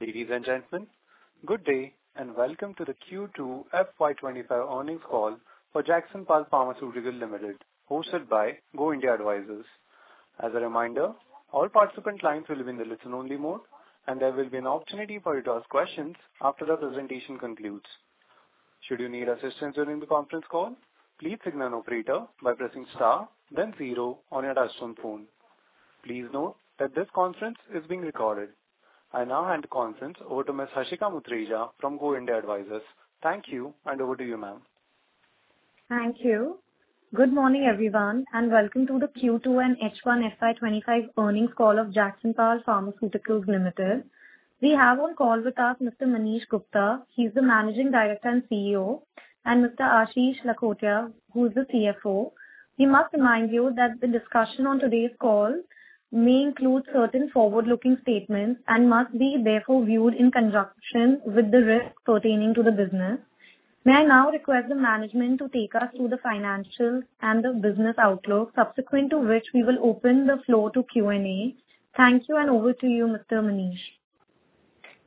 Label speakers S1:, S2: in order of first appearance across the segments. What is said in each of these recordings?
S1: Ladies and gentlemen, good day, and welcome to the Q2 FY 25 Earnings Call for Jagsonpal Pharmaceuticals Limited, hosted by Go India Advisors. As a reminder, all participant lines will be in the listen-only mode, and there will be an opportunity for you to ask questions after the presentation concludes. Should you need assistance during the conference call, please signal an operator by pressing star, then zero on your touchtone phone. Please note that this conference is being recorded. I now hand the conference over to Ms. Hashika Mutreja from Go India Advisors. Thank you, and over to you, ma'am.
S2: Thank you. Good morning, everyone, and welcome to the Q2 and H1 FY 25 Earnings Call of Jagsonpal Pharmaceuticals Limited. We have on call with us Mr. Manish Gupta, he's the Managing Director and CEO, and Mr. Ashish Lakhotia, who's the CFO. We must remind you that the discussion on today's call may include certain forward-looking statements and must be therefore viewed in conjunction with the risks pertaining to the business. May I now request the management to take us through the financials and the business outlook, subsequent to which we will open the floor to Q&A. Thank you, and over to you, Mr. Manish.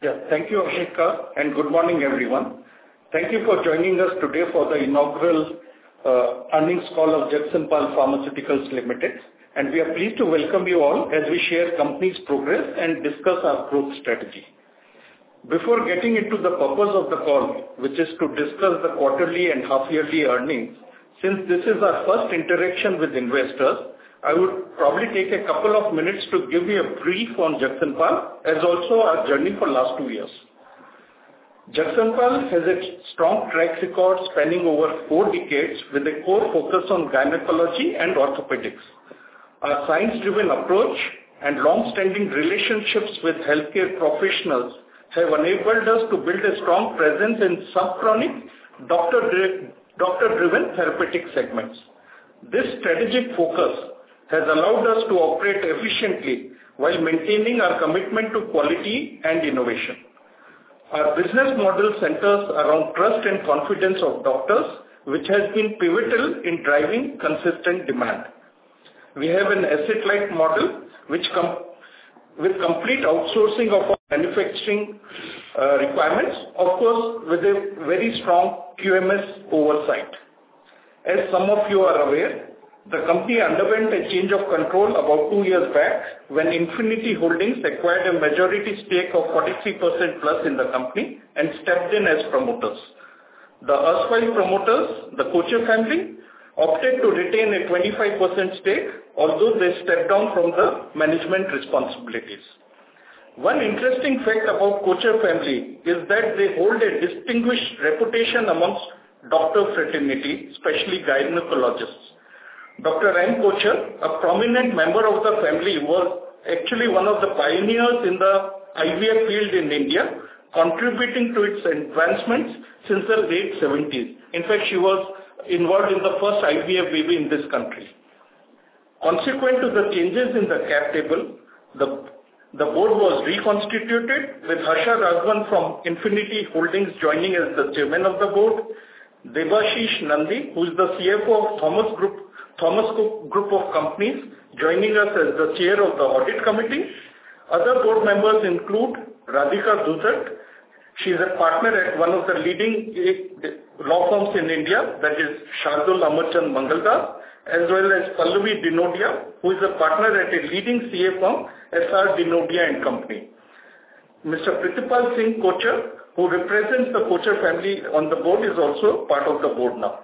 S3: Yeah. Thank you, Ashika, and good morning, everyone. Thank you for joining us today for the inaugural Earnings Call of Jagsonpal Pharmaceuticals Limited, and we are pleased to welcome you all as we share company's progress and discuss our growth strategy. Before getting into the purpose of the call, which is to discuss the quarterly and half yearly earnings, since this is our first interaction with investors, I would probably take a couple of minutes to give you a brief on Jagsonpal, as also our journey for last two years. Jagsonpal has a strong track record spanning over four decades, with a core focus on gynecology and orthopedics. Our science-driven approach and long-standing relationships with healthcare professionals have enabled us to build a strong presence in subchronic doctor-driven therapeutic segments. This strategic focus has allowed us to operate efficiently while maintaining our commitment to quality and innovation. Our business model centers around trust and confidence of doctors, which has been pivotal in driving consistent demand. We have an asset-light model, which comes with complete outsourcing of our manufacturing requirements, of course, with a very strong QMS oversight. As some of you are aware, the company underwent a change of control about two years back, when Infinity Holdings acquired a majority stake of 43% plus in the company and stepped in as promoters. The erstwhile promoters, the Kochhar family, opted to retain a 25% stake, although they stepped down from the management responsibilities. One interesting fact about Kochhar family is that they hold a distinguished reputation amongst doctor fraternity, especially gynecologists. Dr. M. Kochhar, a prominent member of the family, was actually one of the pioneers in the IVF field in India, contributing to its advancements since the late seventies. In fact, she was involved in the first IVF baby in this country. Consequent to the changes in the cap table, the board was reconstituted, with Harsha Raghavan from Infinity Holdings joining as the chairman of the board, Debashis Nandi, who is the CFO of Thomas Group- Thomas Group of Companies, joining us as the chair of the audit committee. Other board members include Radhika Dudhat, she's a partner at one of the leading law firms in India, that is Shardul Amarchand Mangaldas, as well as Pallavi Dinodia, who is a partner at a leading CA firm, SR Dinodia & Company. Mr. Prithipal Singh Kochhar, who represents the Kochhar family on the board, is also part of the board now.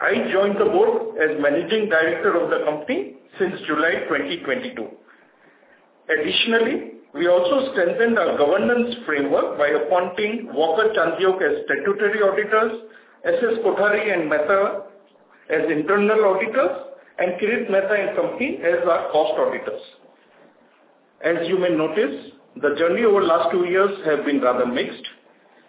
S3: I joined the board as managing director of the company since July 2022. Additionally, we also strengthened our governance framework by appointing Walker Chandiok as statutory auditors, SS Kothari Mehta as internal auditors, and Kirit Mehta & Co. as our cost auditors. As you may notice, the journey over last two years have been rather mixed.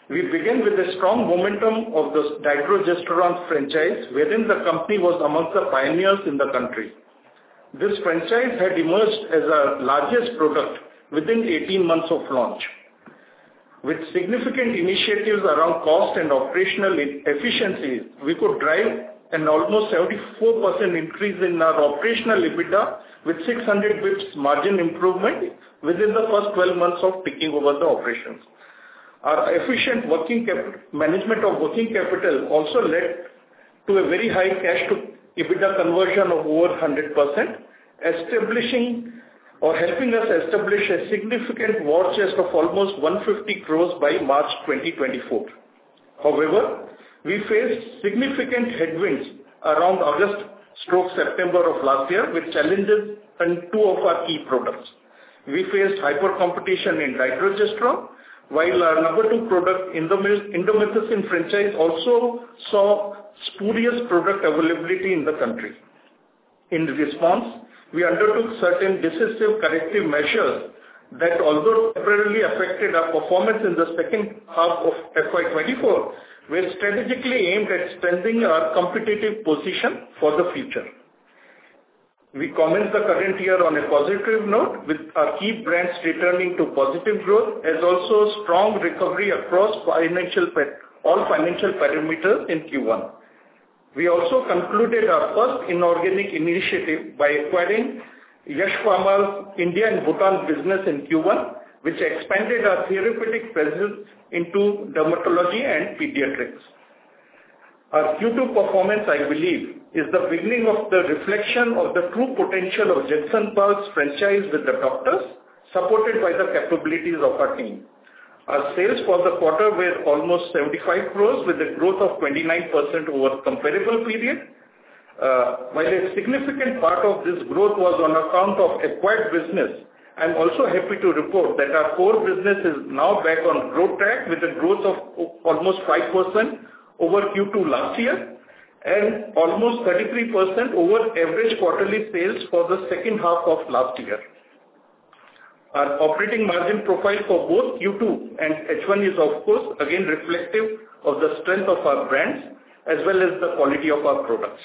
S3: We began with a strong momentum of the Dydrogesterone franchise, wherein the company was amongst the pioneers in the country. This franchise had emerged as our largest product within 18 months of launch. With significant initiatives around cost and operational efficiency, we could drive an almost 74% increase in our operational EBITDA, with 600 basis points margin improvement within the first 12 months of taking over the operations. Our efficient working capital management also led to a very high cash to EBITDA conversion of over 100%, establishing or helping us establish a significant war chest of almost 150 crores by March 2024. However, we faced significant headwinds around August-September of last year, with challenges in two of our key products. We faced hyper-competition in Dydrogesterone, while our number two product, Indomethacin franchise, also saw spurious product availability in the country. In response, we undertook certain decisive corrective measures that, although temporarily affected our performance in the second half of FY 2024, were strategically aimed at strengthening our competitive position for the future. We commenced the current year on a positive note, with our key brands returning to positive growth, as also strong recovery across all financial parameters in Q1. We also concluded our first inorganic initiative by acquiring Yash Pharma India and Bhutan business in Q1, which expanded our therapeutic presence into dermatology and pediatrics. Our Q2 performance, I believe, is the beginning of the reflection of the true potential of Jagsonpal's franchise with the doctors, supported by the capabilities of our team. Our sales for the quarter were almost 75 crores, with a growth of 29% over comparable period. While a significant part of this growth was on account of acquired business, I'm also happy to report that our core business is now back on growth track, with a growth of almost 5% over Q2 last year and almost 33% over average quarterly sales for the second half of last year. Our operating margin profile for both Q2 and H1 is, of course, again reflective of the strength of our brands, as well as the quality of our products.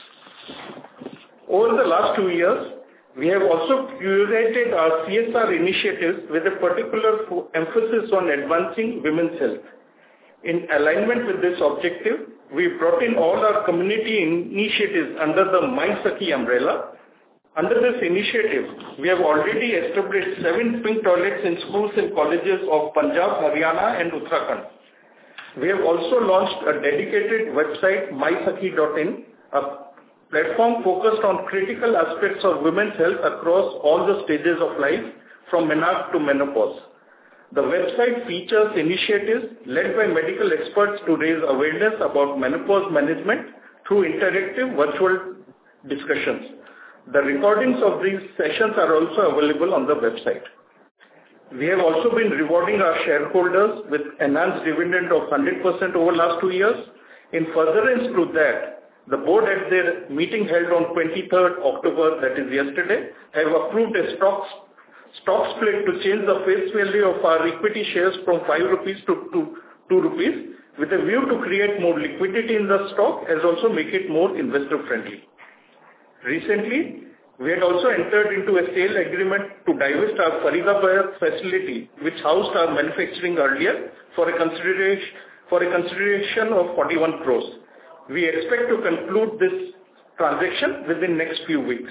S3: Over the last two years, we have also curated our CSR initiatives with a particular emphasis on advancing women's health. In alignment with this objective, we've brought in all our community initiatives under the My Sakhi umbrella. Under this initiative, we have already established seven pink toilets in schools and colleges of Punjab, Haryana, and Uttarakhand. We have also launched a dedicated website, MySakhi.in, a platform focused on critical aspects of women's health across all the stages of life, from menarche to menopause. The website features initiatives led by medical experts to raise awareness about menopause management through interactive virtual discussions. The recordings of these sessions are also available on the website. We have also been rewarding our shareholders with enhanced dividend of 100% over last two years. In furtherance to that, the board, at their meeting held on twenty-third October, that is yesterday, have approved a stock split to change the face value of our equity shares from 5 rupees to 2 rupees, with a view to create more liquidity in the stock and also make it more investor-friendly. Recently, we had also entered into a sale agreement to divest our Selaqui facility, which housed our manufacturing earlier, for a consideration, for a consideration of 41 crores. We expect to conclude this transaction within next few weeks.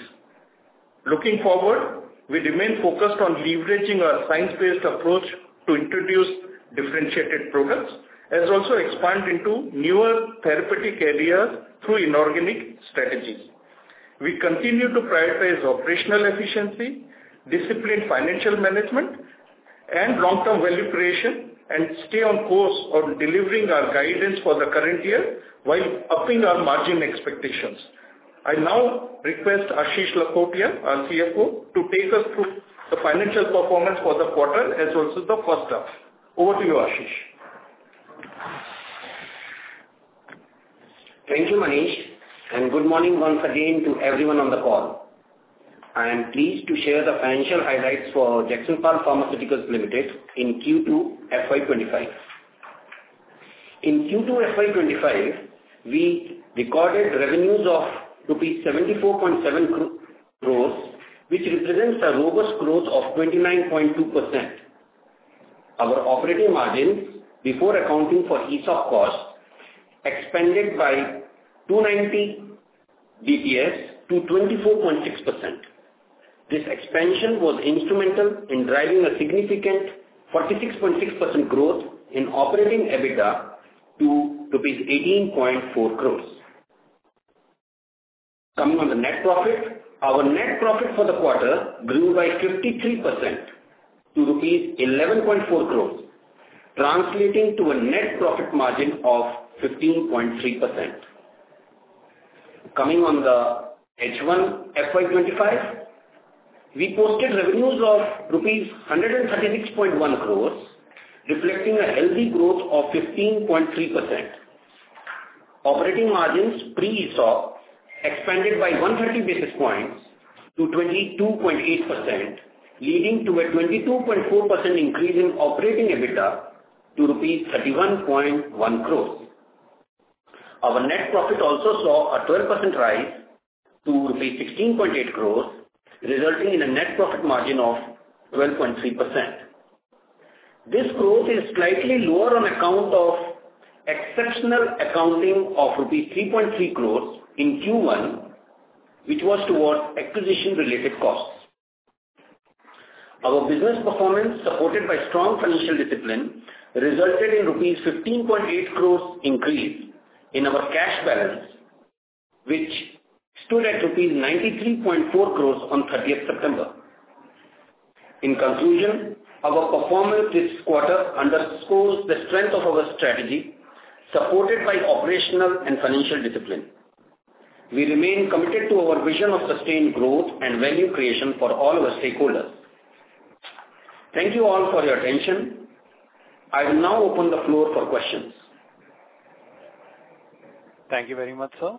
S3: Looking forward, we remain focused on leveraging our science-based approach to introduce differentiated products, as also expand into newer therapeutic areas through inorganic strategies. We continue to prioritize operational efficiency, disciplined financial management, and long-term value creation, and stay on course on delivering our guidance for the current year while upping our margin expectations. I now request Ashish Lakhotia, our CFO, to take us through the financial performance for the quarter and also the first half. Over to you, Ashish.
S4: Thank you, Manish, and good morning once again to everyone on the call. I am pleased to share the financial highlights for Jagsonpal Pharmaceuticals Limited in Q2 FY twenty-five. In Q2 FY twenty-five, we recorded revenues of rupees 74.7 crores, which represents a robust growth of 29.2%. Our operating margin, before accounting for ESOP costs, expanded by 290 basis points to 24.6%. This expansion was instrumental in driving a significant 46.6% growth in operating EBITDA to rupees 18.4 crores. Coming on the net profit, our net profit for the quarter grew by 53% to rupees 11.4 crores, translating to a net profit margin of 15.3%. Coming on the H1 FY 2025, we posted revenues of rupees 136.1 crores, reflecting a healthy growth of 15.3%. Operating margins pre-ESOP expanded by 130 basis points to 22.8%, leading to a 22.4% increase in operating EBITDA to rupees 31.1 crores. Our net profit also saw a 12% rise to rupees 16.8 crores, resulting in a net profit margin of 12.3%. This growth is slightly lower on account of exceptional accounting of rupees 3.3 crores in Q1, which was towards acquisition-related costs. Our business performance, supported by strong financial discipline, resulted in rupees 15.8 crores increase in our cash balance, which stood at rupees 93.4 crores on thirtieth September. In conclusion, our performance this quarter underscores the strength of our strategy, supported by operational and financial discipline. We remain committed to our vision of sustained growth and value creation for all our stakeholders. Thank you all for your attention. I will now open the floor for questions.
S1: Thank you very much, sir.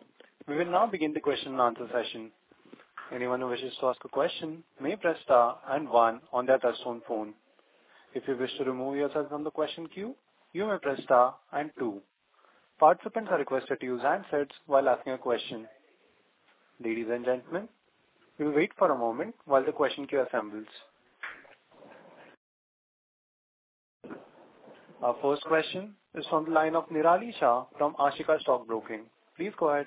S1: We will now begin the question and answer session. Anyone who wishes to ask a question may press star and one on their touchtone phone. If you wish to remove yourself from the question queue, you may press star and two. Participants are requested to use handsets while asking a question. Ladies and gentlemen, we'll wait for a moment while the question queue assembles... Our first question is from the line of Nirali Shah from Ashika Stock Broking. Please go ahead.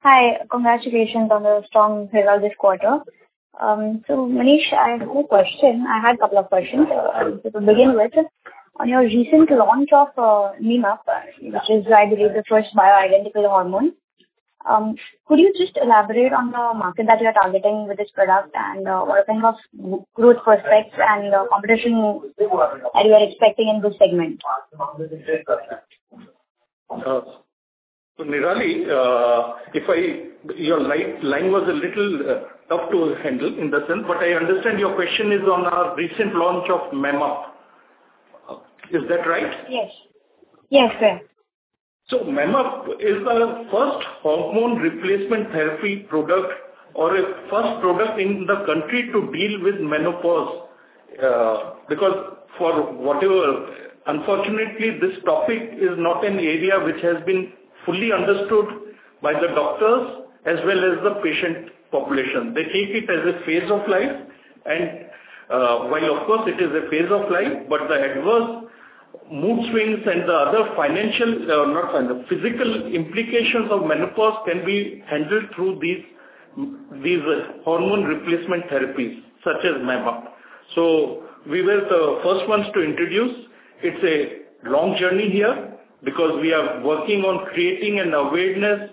S5: Hi, congratulations on the strong result this quarter. So Manish, I had a couple of questions. To begin with, on your recent launch of Memup, which is, I believe, the first bioidentical hormone. Could you just elaborate on the market that you are targeting with this product, and what kind of growth prospects and competition you are expecting in this segment?
S3: So, Nirali, if your line was a little tough to handle in the sense, but I understand your question is on our recent launch of Memup. Is that right?
S5: Yes. Yes, sir.
S3: So Memup is our first hormone replacement therapy product, or a first product in the country to deal with menopause, because for whatever, unfortunately, this topic is not an area which has been fully understood by the doctors as well as the patient population. They take it as a phase of life and, while of course it is a phase of life, but the adverse mood swings and the other financial, not financial, physical implications of menopause can be handled through these, these hormone replacement therapies, such as Memup. So we were the first ones to introduce. It's a long journey here because we are working on creating an awareness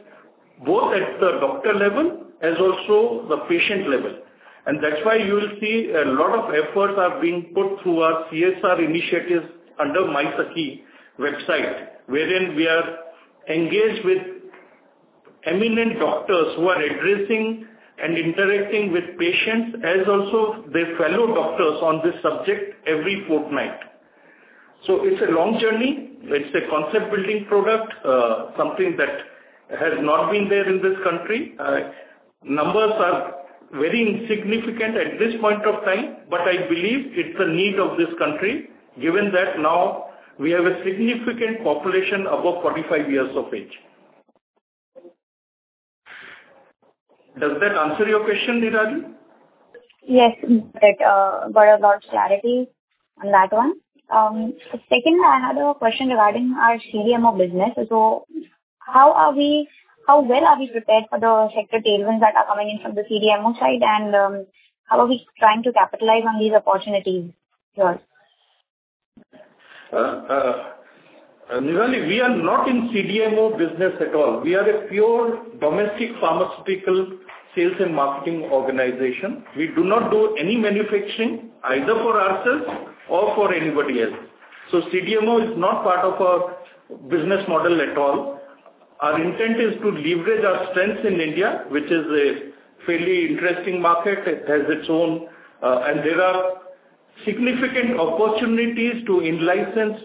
S3: both at the doctor level, as also the patient level. And that's why you will see a lot of efforts are being put through our CSR initiatives under MySakhi website, wherein we are engaged with eminent doctors who are addressing and interacting with patients, as also their fellow doctors on this subject every fortnight. So it's a long journey, it's a concept-building product, something that has not been there in this country. Numbers are very insignificant at this point of time, but I believe it's a need of this country, given that now we have a significant population above forty-five years of age. Does that answer your question, Nirali?
S5: Yes, that got a lot of clarity on that one. Second, I had a question regarding our CDMO business. So how well are we prepared for the sector tailwinds that are coming in from the CDMO side? And, how are we trying to capitalize on these opportunities here?
S3: Nirali, we are not in CDMO business at all. We are a pure domestic pharmaceutical sales and marketing organization. We do not do any manufacturing either for ourselves or for anybody else. So CDMO is not part of our business model at all. Our intent is to leverage our strengths in India, which is a fairly interesting market. It has its own, and there are significant opportunities to in-license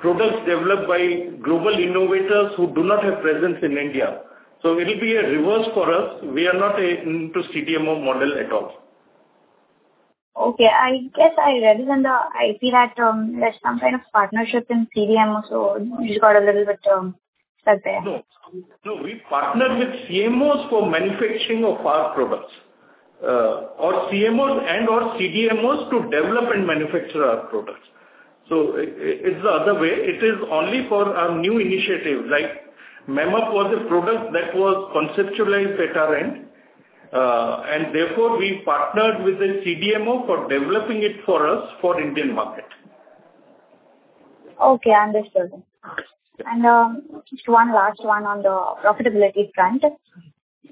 S3: products developed by global innovators who do not have presence in India. So it'll be a reverse for us. We are not into CDMO model at all.
S5: Okay, I guess I read in the IP that there's some kind of partnership in CDMO, so it got a little bit stuck there.
S3: No, we partner with CMOs for manufacturing of our products, or CMOs and/or CDMOs to develop and manufacture our products. So it's the other way. It is only for our new initiative, like Memup was a product that was conceptualized at our end, and therefore we partnered with a CDMO for developing it for us, for Indian market.
S5: Okay, understood. And just one last one on the profitability front.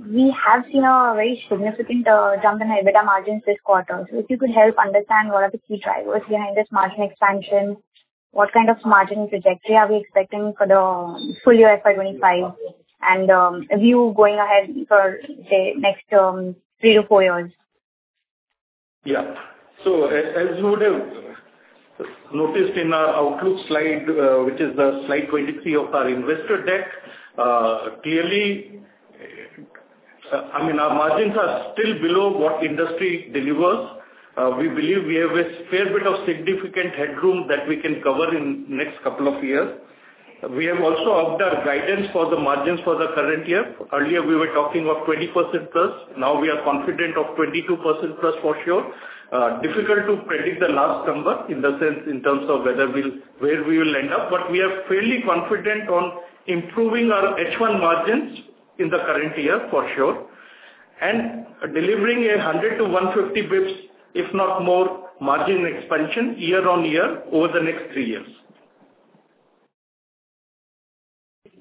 S5: We have seen a very significant jump in EBITDA margins this quarter. So if you could help understand what are the key drivers behind this margin expansion, what kind of margin trajectory are we expecting for the full year FY twenty-five, and view going ahead for, say, next three to four years?
S3: Yeah. So as you would have noticed in our outlook slide, which is the slide 23 of our investor deck, clearly, I mean, our margins are still below what industry delivers. We believe we have a fair bit of significant headroom that we can cover in next couple of years. We have also upped our guidance for the margins for the current year. Earlier, we were talking about 20% plus, now we are confident of 22% plus for sure. Difficult to predict the last number in the sense, in terms of where we will end up, but we are fairly confident on improving our H1 margins in the current year, for sure, and delivering 100 to 150 basis points, if not more, margin expansion year on year, over the next three years.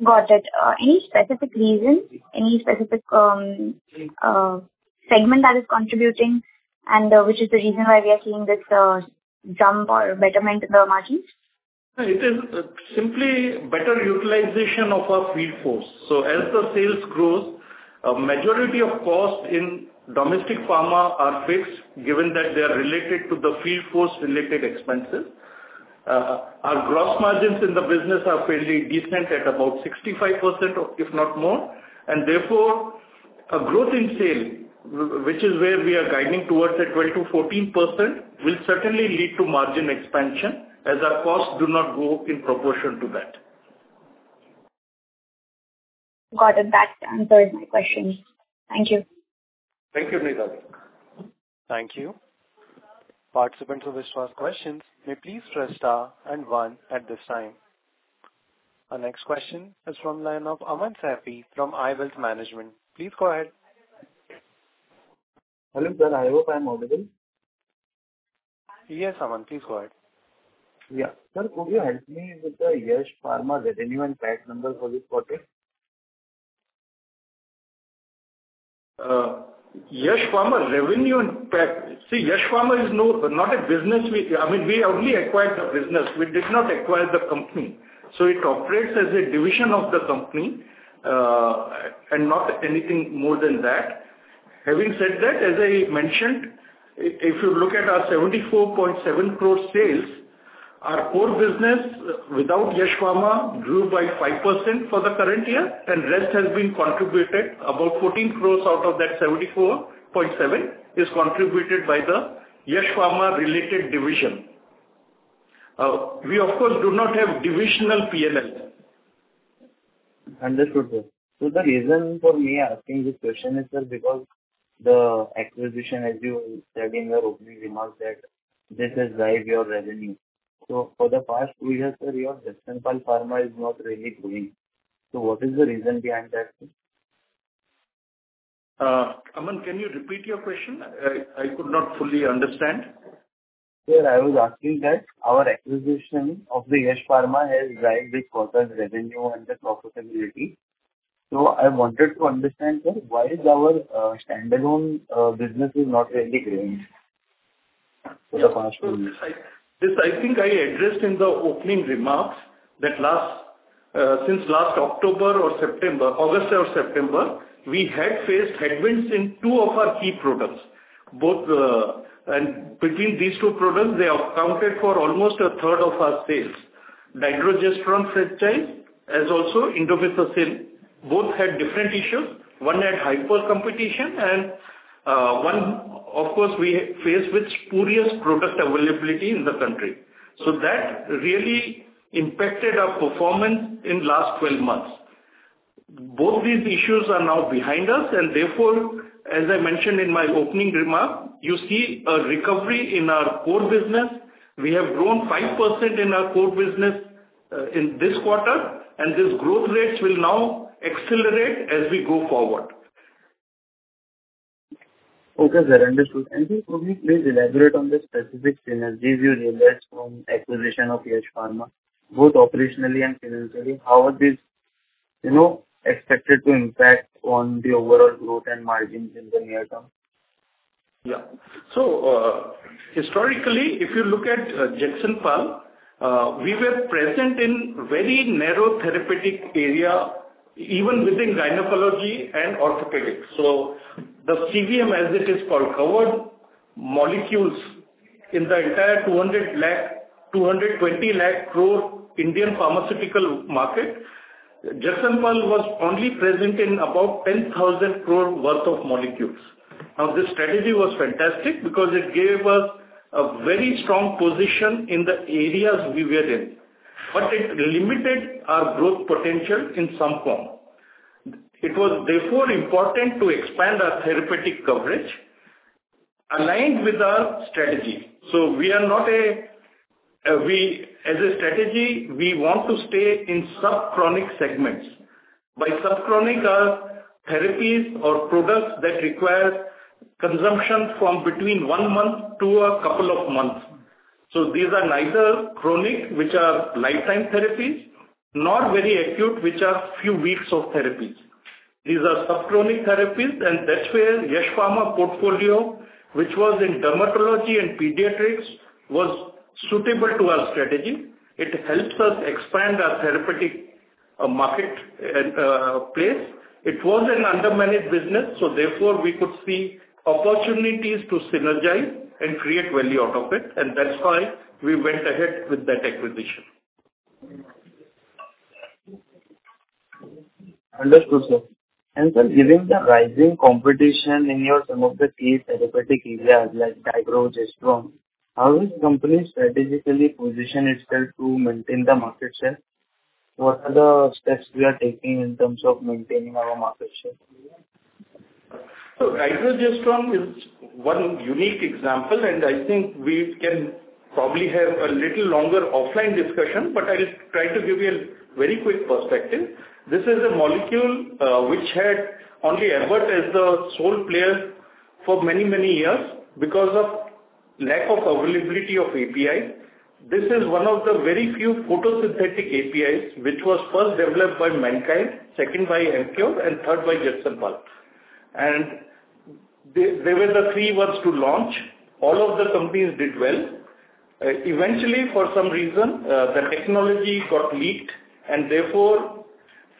S5: Got it. Any specific reason, any specific segment that is contributing and which is the reason why we are seeing this jump or betterment in the margins?
S3: It is simply better utilization of our field force. So as the sales grows, a majority of costs in domestic pharma are fixed, given that they are related to the field force-related expenses. Our gross margins in the business are fairly decent, at about 65%, if not more, and therefore, a growth in sales, which is where we are guiding towards the 12%-14%, will certainly lead to margin expansion, as our costs do not go in proportion to that....
S5: Got it. That answers my question. Thank you.
S3: Thank you, Nirali.
S1: Thank you. Participants with first questions may please press star and one at this time. Our next question is from the line of Aman Shafi from iWealth Management. Please go ahead.
S6: Hello, sir, I hope I'm audible.
S1: Yes, Aman, please go ahead.
S6: Yeah. Sir, could you help me with the Yash Pharma revenue and tax numbers for this quarter?
S3: Yash Pharma revenue and tax. See, Yash Pharma is not a business we – I mean, we only acquired the business, we did not acquire the company. So it operates as a division of the company, and not anything more than that. Having said that, as I mentioned, if you look at our 74.7 crores sales, our core business without Yash Pharma grew by 5% for the current year, and rest has been contributed, about 14 crores out of that 74.7, is contributed by the Yash Pharma-related division. We of course do not have divisional PNL.
S6: Understood, sir. So the reason for me asking this question is, sir, because the acquisition, as you said in your opening remarks, that this has drive your revenue. So for the past two years, sir, your Jagsonpal Pharma is not really growing. So what is the reason behind that, sir?
S3: Aman, can you repeat your question? I could not fully understand.
S6: Sir, I was asking that our acquisition of the Yash Pharma has drive this quarter's revenue and the profitability. So I wanted to understand, sir, why is our standalone business is not really growing for the past two years?
S3: This, I think I addressed in the opening remarks, that last since last October or September, August or September, we had faced headwinds in two of our key products. Both. And between these two products, they accounted for almost a third of our sales. Dydrogesterone franchise, as also Indomethacin, both had different issues. One had hyper competition and, one, of course, we faced with spurious product availability in the country. So that really impacted our performance in last twelve months. Both these issues are now behind us, and therefore, as I mentioned in my opening remark, you see a recovery in our core business. We have grown 5% in our core business, in this quarter, and this growth rates will now accelerate as we go forward.
S6: Okay, sir, understood. And could you please elaborate on the specific synergies you realized from acquisition of Yash Pharma, both operationally and financially? How are these, you know, expected to impact on the overall growth and margins in the near term?
S3: Yeah. So, historically, if you look at Jagsonpal, we were present in very narrow therapeutic area, even within gynecology and orthopedics. So the CVM, as it is called, covered molecules in the entire two hundred lakh, two hundred and twenty lakh crore Indian pharmaceutical market. Jagsonpal was only present in about ten thousand crore worth of molecules. Now, this strategy was fantastic because it gave us a very strong position in the areas we were in, but it limited our growth potential in some form. It was therefore important to expand our therapeutic coverage, aligned with our strategy. So we are not we, as a strategy, we want to stay in subchronic segments. By subchronic, are therapies or products that require consumption from between one month to a couple of months. So these are neither chronic, which are lifetime therapies, nor very acute, which are few weeks of therapies. These are subchronic therapies, and that's where Yash Pharma portfolio, which was in dermatology and pediatrics, was suitable to our strategy. It helps us expand our therapeutic market and place. It was an under-managed business, so therefore, we could see opportunities to synergize and create value out of it, and that's why we went ahead with that acquisition.
S6: Understood, sir. And, sir, given the rising competition in some of your key therapeutic areas like Dydrogesterone, how does the company strategically position itself to maintain the market share? What are the steps we are taking in terms of maintaining our market share?
S3: So Dydrogesterone is one unique example, and I think we can probably have a little longer offline discussion, but I'll just try to give you a very quick perspective. This is a molecule, which had only Abbott as the sole player for many, many years because of lack of availability of API. This is one of the very few synthetic APIs, which was first developed by Mankind, second by Emcure, and third by Jagsonpal. And they were the three ones to launch. All of the companies did well. Eventually, for some reason, the technology got leaked, and therefore,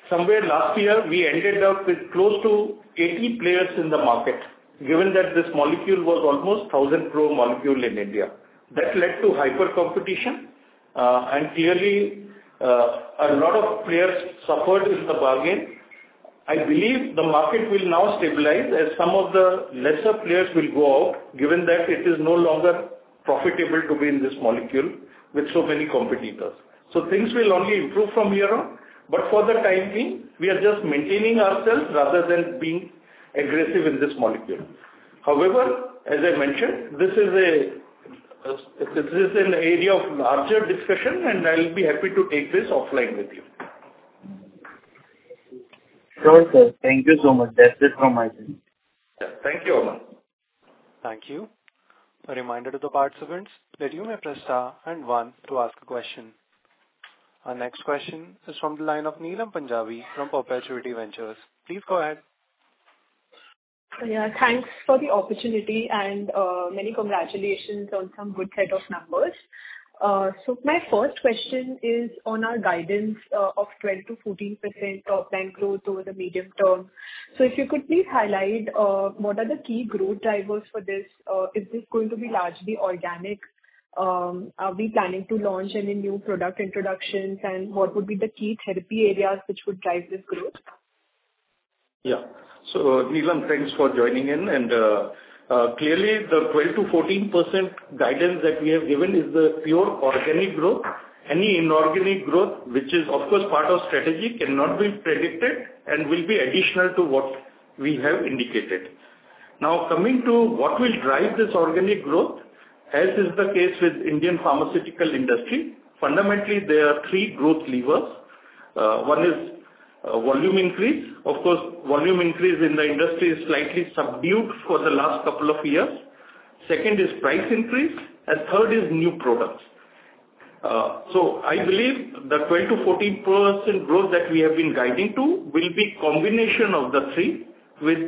S3: somewhere last year, we ended up with close to 80 players in the market, given that this molecule was almost 1,000 crore molecule in India. That led to hyper competition, and clearly, a lot of players suffered in the bargain. I believe the market will now stabilize as some of the lesser players will go out, given that it is no longer profitable to be in this molecule with so many competitors. So things will only improve from here on, but for the time being, we are just maintaining ourselves rather than being aggressive in this molecule. However, as I mentioned, this is an area of larger discussion, and I'll be happy to take this offline with you.
S6: Sure, sir. Thank you so much. That's it from my end.
S3: Thank you, Aman.
S1: Thank you. A reminder to the participants that you may press star and one to ask a question. Our next question is from the line of Neelam Punjabi from Perpetuity Ventures. Please go ahead.
S7: Yeah, thanks for the opportunity and many congratulations on some good set of numbers. So my first question is on our guidance of 12-14% top-line growth over the medium term. So if you could please highlight what are the key growth drivers for this? Is this going to be largely organic? Are we planning to launch any new product introductions, and what would be the key therapy areas which would drive this growth?
S3: Yeah. So, Neelam, thanks for joining in, and clearly, the 12-14% guidance that we have given is the pure organic growth. Any inorganic growth, which is of course part of strategy, cannot be predicted and will be additional to what we have indicated. Now, coming to what will drive this organic growth, as is the case with Indian pharmaceutical industry, fundamentally, there are three growth levers. One is volume increase. Of course, volume increase in the industry is slightly subdued for the last couple of years. Second is price increase, and third is new products. So I believe the 12-14% growth that we have been guiding to will be combination of the three, with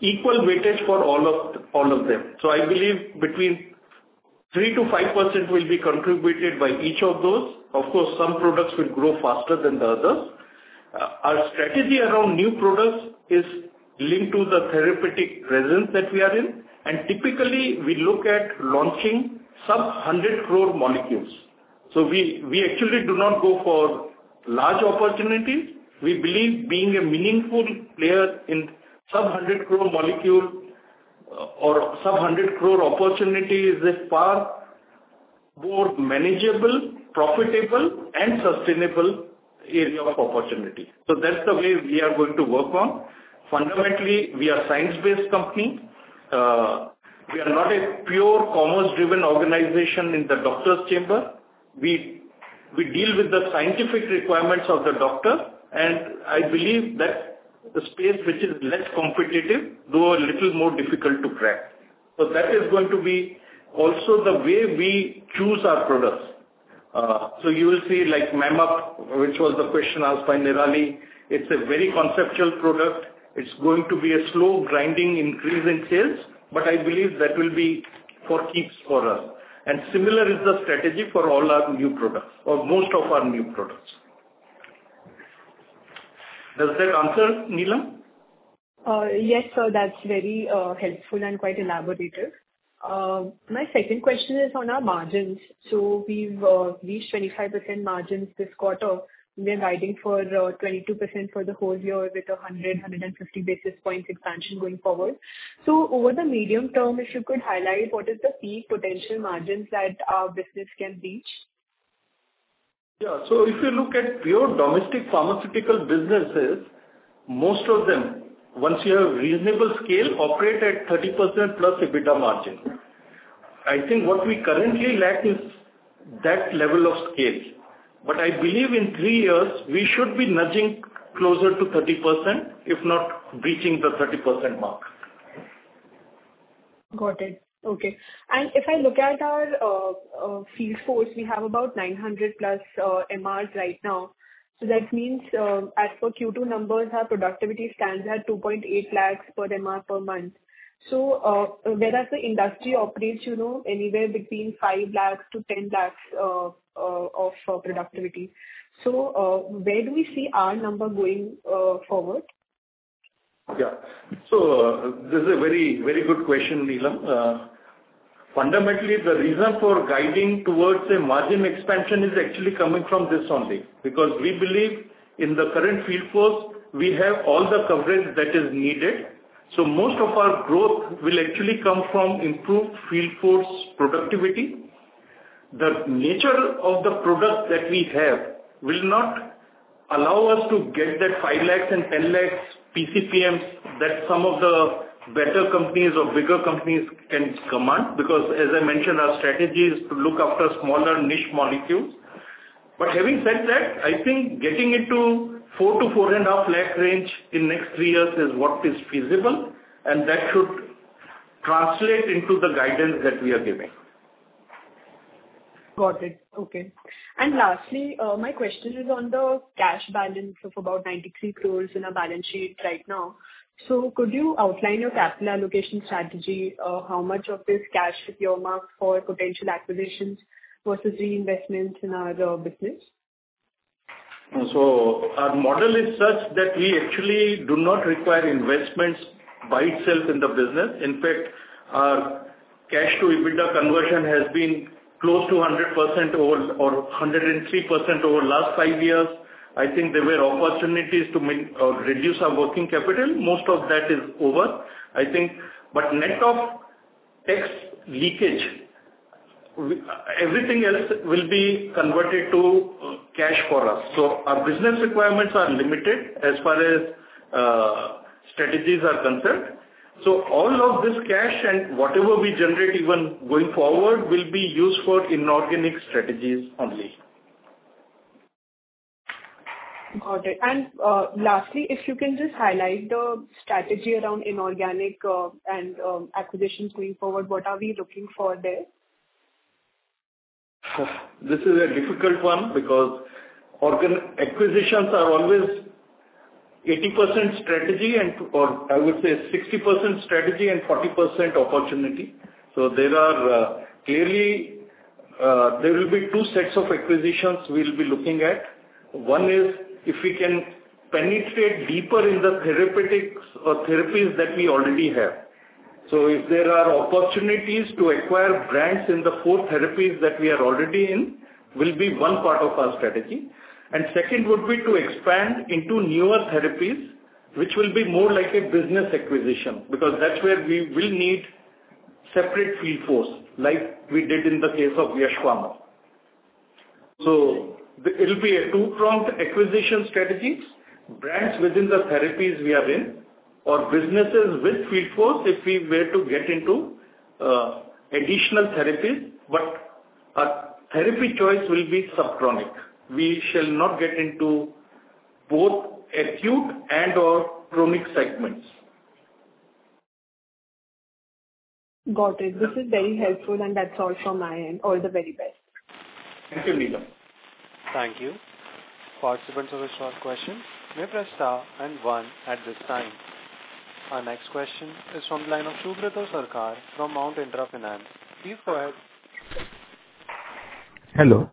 S3: equal weightage for all of them. So I believe between 3-5% will be contributed by each of those. Of course, some products will grow faster than the others. Our strategy around new products is linked to the therapeutic presence that we are in, and typically, we look at launching sub-hundred crore molecules. So we actually do not go for large opportunities. We believe being a meaningful player in sub-hundred crore molecule or sub-hundred crore opportunity is a far more manageable, profitable, and sustainable area of opportunity. So that's the way we are going to work on. Fundamentally, we are science-based company. We are not a pure commerce-driven organization in the doctor's chamber. We deal with the scientific requirements of the doctor, and I believe that the space which is less competitive, though a little more difficult to crack. So that is going to be also the way we choose our products. So you will see, like, Memup, which was the question asked by Nirali, it's a very conceptual product. It's going to be a slow grinding increase in sales, but I believe that will be for keeps for us, and similar is the strategy for all our new products or most of our new products. Does that answer, Neelam?
S7: Yes, sir, that's very helpful and quite elaborative. My second question is on our margins. So we've reached 25% margins this quarter. We're guiding for 22% for the whole year, with a hundred and fifty basis points expansion going forward. So over the medium term, if you could highlight what is the key potential margins that our business can reach?
S3: Yeah, so if you look at pure domestic pharmaceutical businesses, most of them, once you have reasonable scale, operate at 30% plus EBITDA margin. I think what we currently lack is that level of scale, but I believe in three years we should be nudging closer to 30%, if not reaching the 30% mark.
S7: Got it. Okay, and if I look at our field force, we have about 900 plus MRs right now. So that means, as for Q2 numbers, our productivity stands at 2.8 lakhs per MR per month. So, whereas the industry operates, you know, anywhere between 5 lakhs-10 lakhs of productivity. So, where do we see our number going forward?
S3: Yeah. So this is a very, very good question, Neelam. Fundamentally, the reason for guiding towards a margin expansion is actually coming from this only, because we believe in the current field force, we have all the coverage that is needed. So most of our growth will actually come from improved field force productivity. The nature of the products that we have will not allow us to get that five lakhs and 10 lakhs PCPM, that some of the better companies or bigger companies can command, because as I mentioned, our strategy is to look after smaller niche molecules. But having said that, I think getting into four to four and a half lakh range in next three years is what is feasible, and that should translate into the guidance that we are giving.
S7: Got it. Okay. And lastly, my question is on the cash balance of about 93 crores in our balance sheet right now. So could you outline your capital allocation strategy? How much of this cash should you mark for potential acquisitions versus reinvestments in our business?
S3: So our model is such that we actually do not require investments by itself in the business. In fact, our cash to EBITDA conversion has been close to 100% or 103% over last five years. I think there were opportunities to reduce our working capital. Most of that is over, I think. But net of tax leakage, everything else will be converted to cash for us. So our business requirements are limited as far as strategies are concerned. So all of this cash and whatever we generate even going forward, will be used for inorganic strategies only.
S7: Got it. And, lastly, if you can just highlight the strategy around inorganic, and, acquisitions going forward, what are we looking for there?
S3: This is a difficult one, because inorganic acquisitions are always 80% strategy, and or I would say 60% strategy and 40% opportunity. So clearly there will be two sets of acquisitions we'll be looking at. One is if we can penetrate deeper in the therapeutics or therapies that we already have. So if there are opportunities to acquire brands in the four therapies that we are already in, will be one part of our strategy. And second would be to expand into newer therapies, which will be more like a business acquisition, because that's where we will need separate field force, like we did in the case of Yash Pharma. It'll be a two-pronged acquisition strategies, brands within the therapies we are in, or businesses with field force, if we were to get into additional therapies, but our therapy choice will be subchronic. We shall not get into both acute and/or chronic segments.
S7: Got it. This is very helpful, and that's all from my end. All the very best.
S3: Thank you, Neelam.
S1: Thank you. Participants with a short question, may press star and one at this time. Our next question is from the line of Subrata Sarkar from Mount Intra Finance. Please go ahead.
S8: Hello?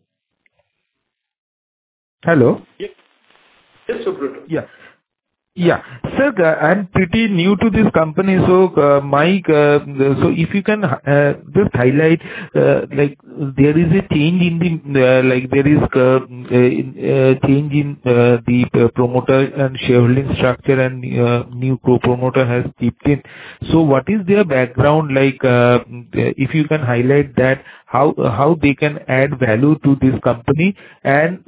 S8: Hello.
S3: Yes. Yes, Subrata.
S8: Yeah. Yeah. Sir, I'm pretty new to this company, so, so if you can just highlight, like there is a change in the promoter and shareholding structure and, new co-promoter has kicked in. So what is their background like, if you can highlight that, how they can add value to this company? And,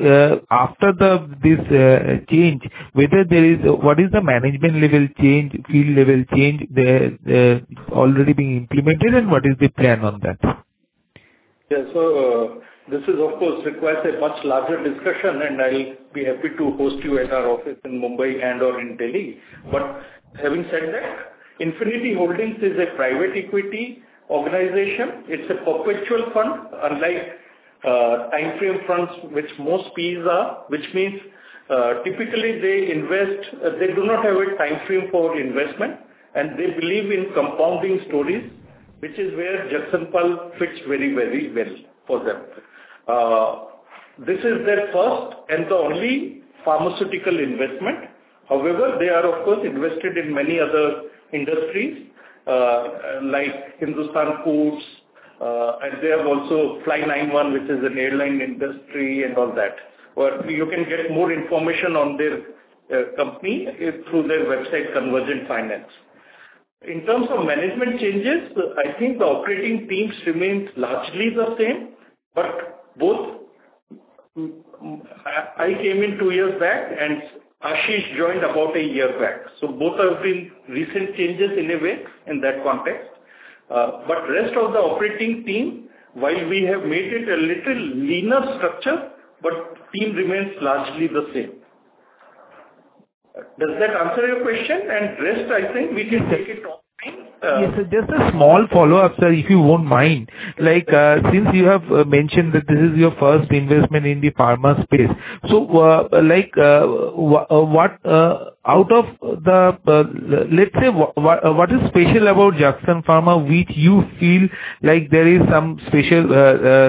S8: after this change, whether there is... What is the management level change, field level change, already being implemented, and what is the plan on that?
S3: Yeah. So, this is, of course, requires a much larger discussion, and I'll be happy to host you at our office in Mumbai and/or in Delhi. But having said that, Infinity Holdings is a private equity organization. It's a perpetual fund, unlike timeframe funds, which most PEs are, which means typically they invest, they do not have a timeframe for investment, and they believe in compounding stories, which is where Jagsonpal fits very, very well for them. This is their first and the only pharmaceutical investment. However, they are, of course, invested in many other industries, like Hindustan Foods, and they have also Fly91, which is an airline industry, and all that. But you can get more information on their company through their website, Convergent Finance. In terms of management changes, I think the operating team remains largely the same, but both I came in two years back, and Ashish joined about a year back. So both have been recent changes in a way, in that context. But the rest of the operating team, while we have made it a little leaner structure, but team remains largely the same. Does that answer your question? And the rest, I think we can take it offline.
S8: Yes, sir. Just a small follow-up, sir, if you won't mind. Like, since you have mentioned that this is your first investment in the pharma space, so, like, what, out of the, let's say, what is special about Jagsonpal, which you feel like there is some special,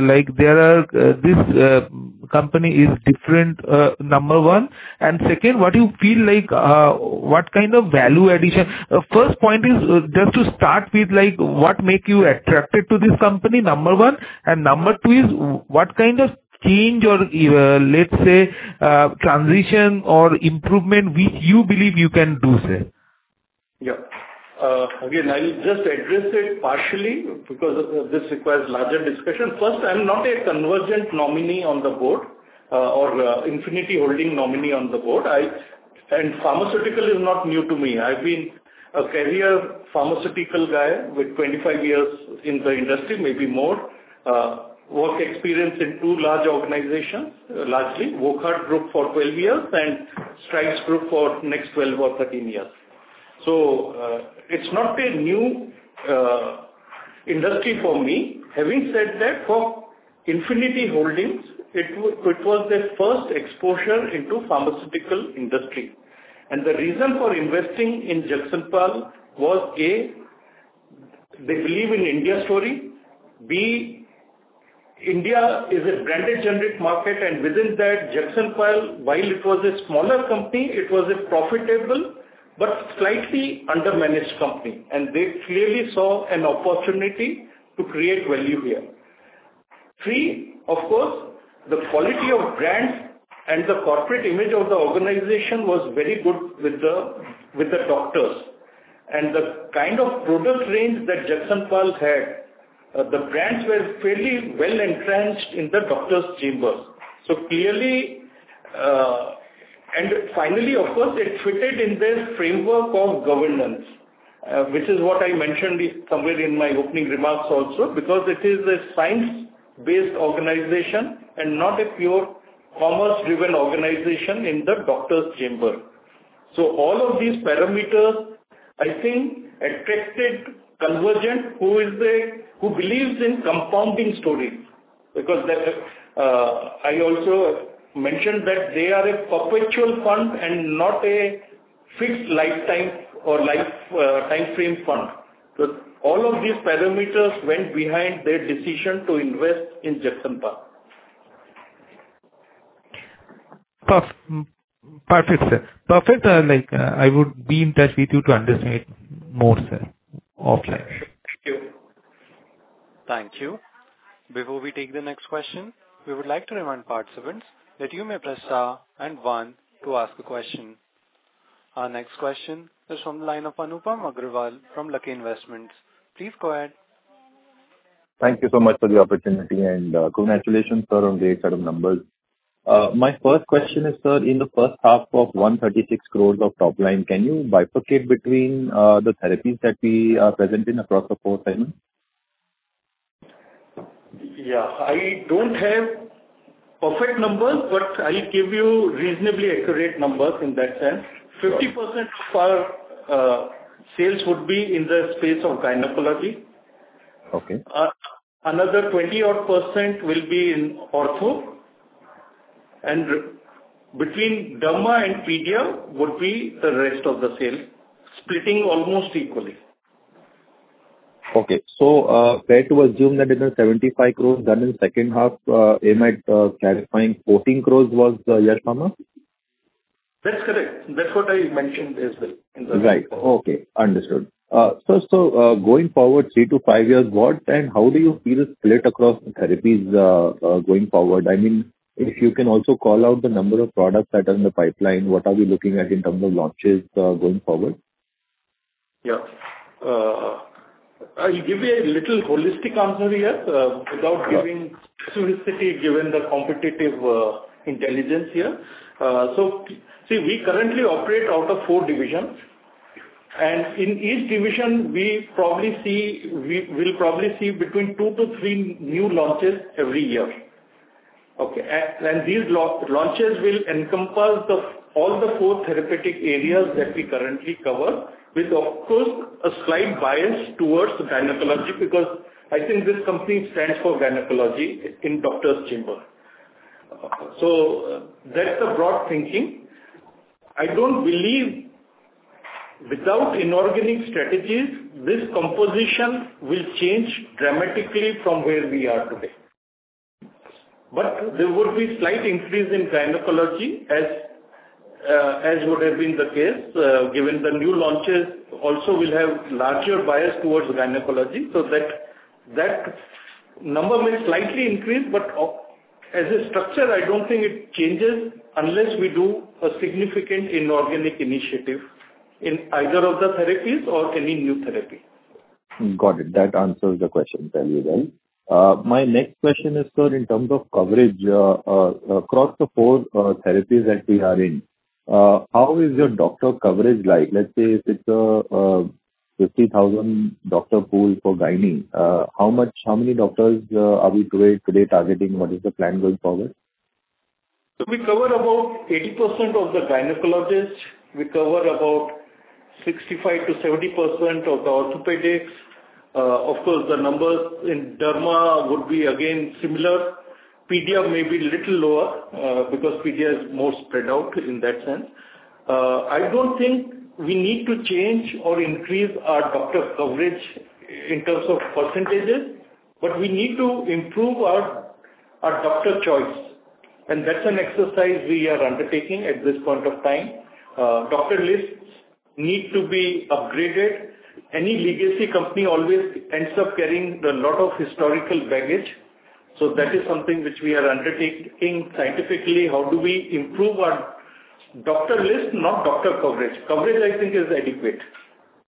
S8: like, there are, this company is different, number one? And second, what do you feel like, what kind of value addition. First point is, just to start with, like, what make you attracted to this company, number one, and number two is what kind of change or, let's say, transition or improvement, which you believe you can do, sir?
S3: Yeah. Again, I'll just address it partially, because of this requires larger discussion. First, I'm not a Convergent nominee on the board, or Infinity Holdings nominee on the board. Pharmaceutical is not new to me. I've been a career pharmaceutical guy with 25 years in the industry, maybe more. Work experience in two large organizations, largely, Wockhardt Group for 12 years and Strides Group for next 12 or 13 years. It's not a new industry for me. Having said that, for Infinity Holdings, it was their first exposure into pharmaceutical industry. The reason for investing in Jagsonpal was A, they believe in India story. B, India is a branded generic market, and within that, Jagsonpal, while it was a smaller company, it was a profitable, but slightly under-managed company, and they clearly saw an opportunity to create value here. Three, of course, the quality of brands and the corporate image of the organization was very good with the, with the doctors. And the kind of product range that Jagsonpal had, the brands were fairly well-entrenched in the doctor's chamber. So clearly. And finally, of course, it fitted in their framework of governance, which is what I mentioned this somewhere in my opening remarks also, because it is a science-based organization and not a pure commerce-driven organization in the doctor's chamber. So all of these parameters, I think, attracted Convergent, who believes in compounding stories. Because I also mentioned that they are a perpetual fund and not a fixed lifetime or life, time frame fund, so all of these parameters went behind their decision to invest in Jagsonpal.
S8: Perfect, sir. Perfect, like, I would be in touch with you to understand more, sir. Okay.
S3: Thank you.
S1: Thank you. Before we take the next question, we would like to remind participants that you may press star and one to ask a question. Our next question is from the line of Anupam Agarwal from Lucky Investment Managers. Please go ahead.
S9: Thank you so much for the opportunity, and congratulations, sir, on the set of numbers. My first question is, sir, in the first half of 136 crores of top line, can you bifurcate between the therapies that we are present in across the four segments?
S3: Yeah. I don't have perfect numbers, but I'll give you reasonably accurate numbers in that sense.
S9: Sure.
S3: 50% of our sales would be in the space of gynecology.
S9: Okay.
S3: Another 20-odd% will be in ortho, and between derma and pedia would be the rest of the sales, splitting almost equally.
S9: Okay. So, fair to assume that in the 75 crores done in the second half, you might, clarifying 14 crores was the year number?
S3: That's correct. That's what I mentioned as well in the-
S9: Right. Okay, understood. So, going forward three to five years, what and how do you see the split across the therapies, going forward? I mean, if you can also call out the number of products that are in the pipeline, what are we looking at in terms of launches, going forward?
S3: Yeah. I'll give you a little holistic answer here, without giving specificity, given the competitive intelligence here. So, see, we currently operate out of four divisions, and in each division, we probably see... We'll probably see between two to three new launches every year. Okay, and these launches will encompass the all the four therapeutic areas that we currently cover, with, of course, a slight bias towards gynecology, because I think this company stands for gynecology in doctor's chamber. So that's the broad thinking. I don't believe without inorganic strategies, this composition will change dramatically from where we are today. But there will be slight increase in gynecology, as would have been the case, given the new launches also will have larger bias towards gynecology. So that, that number may slightly increase, but as a structure, I don't think it changes unless we do a significant inorganic initiative in either of the therapies or any new therapy.
S9: Got it. That answers the question fairly well. My next question is, sir, in terms of coverage, across the four therapies that we are in, how is your doctor coverage like? Let's say, if it's a fifty thousand doctor pool for gynae, how many doctors are we today targeting? What is the plan going forward?
S3: So we cover about 80% of the gynecologists. We cover about 65-70% of the orthopedics. Of course, the numbers in derma would be again, similar. Pedia may be little lower, because pedia is more spread out in that sense. I don't think we need to change or increase our doctor coverage in terms of percentages, but we need to improve our doctor choice, and that's an exercise we are undertaking at this point of time. Doctor lists need to be upgraded. Any legacy company always ends up carrying a lot of historical baggage, so that is something which we are undertaking scientifically. How do we improve our doctor list, not doctor coverage. Coverage, I think, is adequate.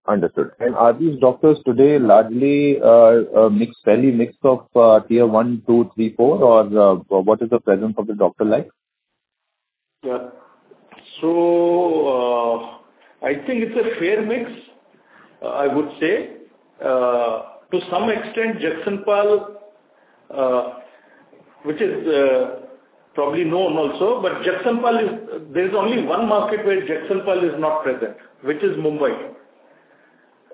S9: Understood. And are these doctors today largely a fairly mixed of tier one, two, three, four? Or, what is the presence of the doctor like?
S3: Yeah, so I think it's a fair mix, I would say. To some extent, Jagsonpal, which is probably known also, but Jagsonpal is... There is only one market where Jagsonpal is not present, which is Mumbai.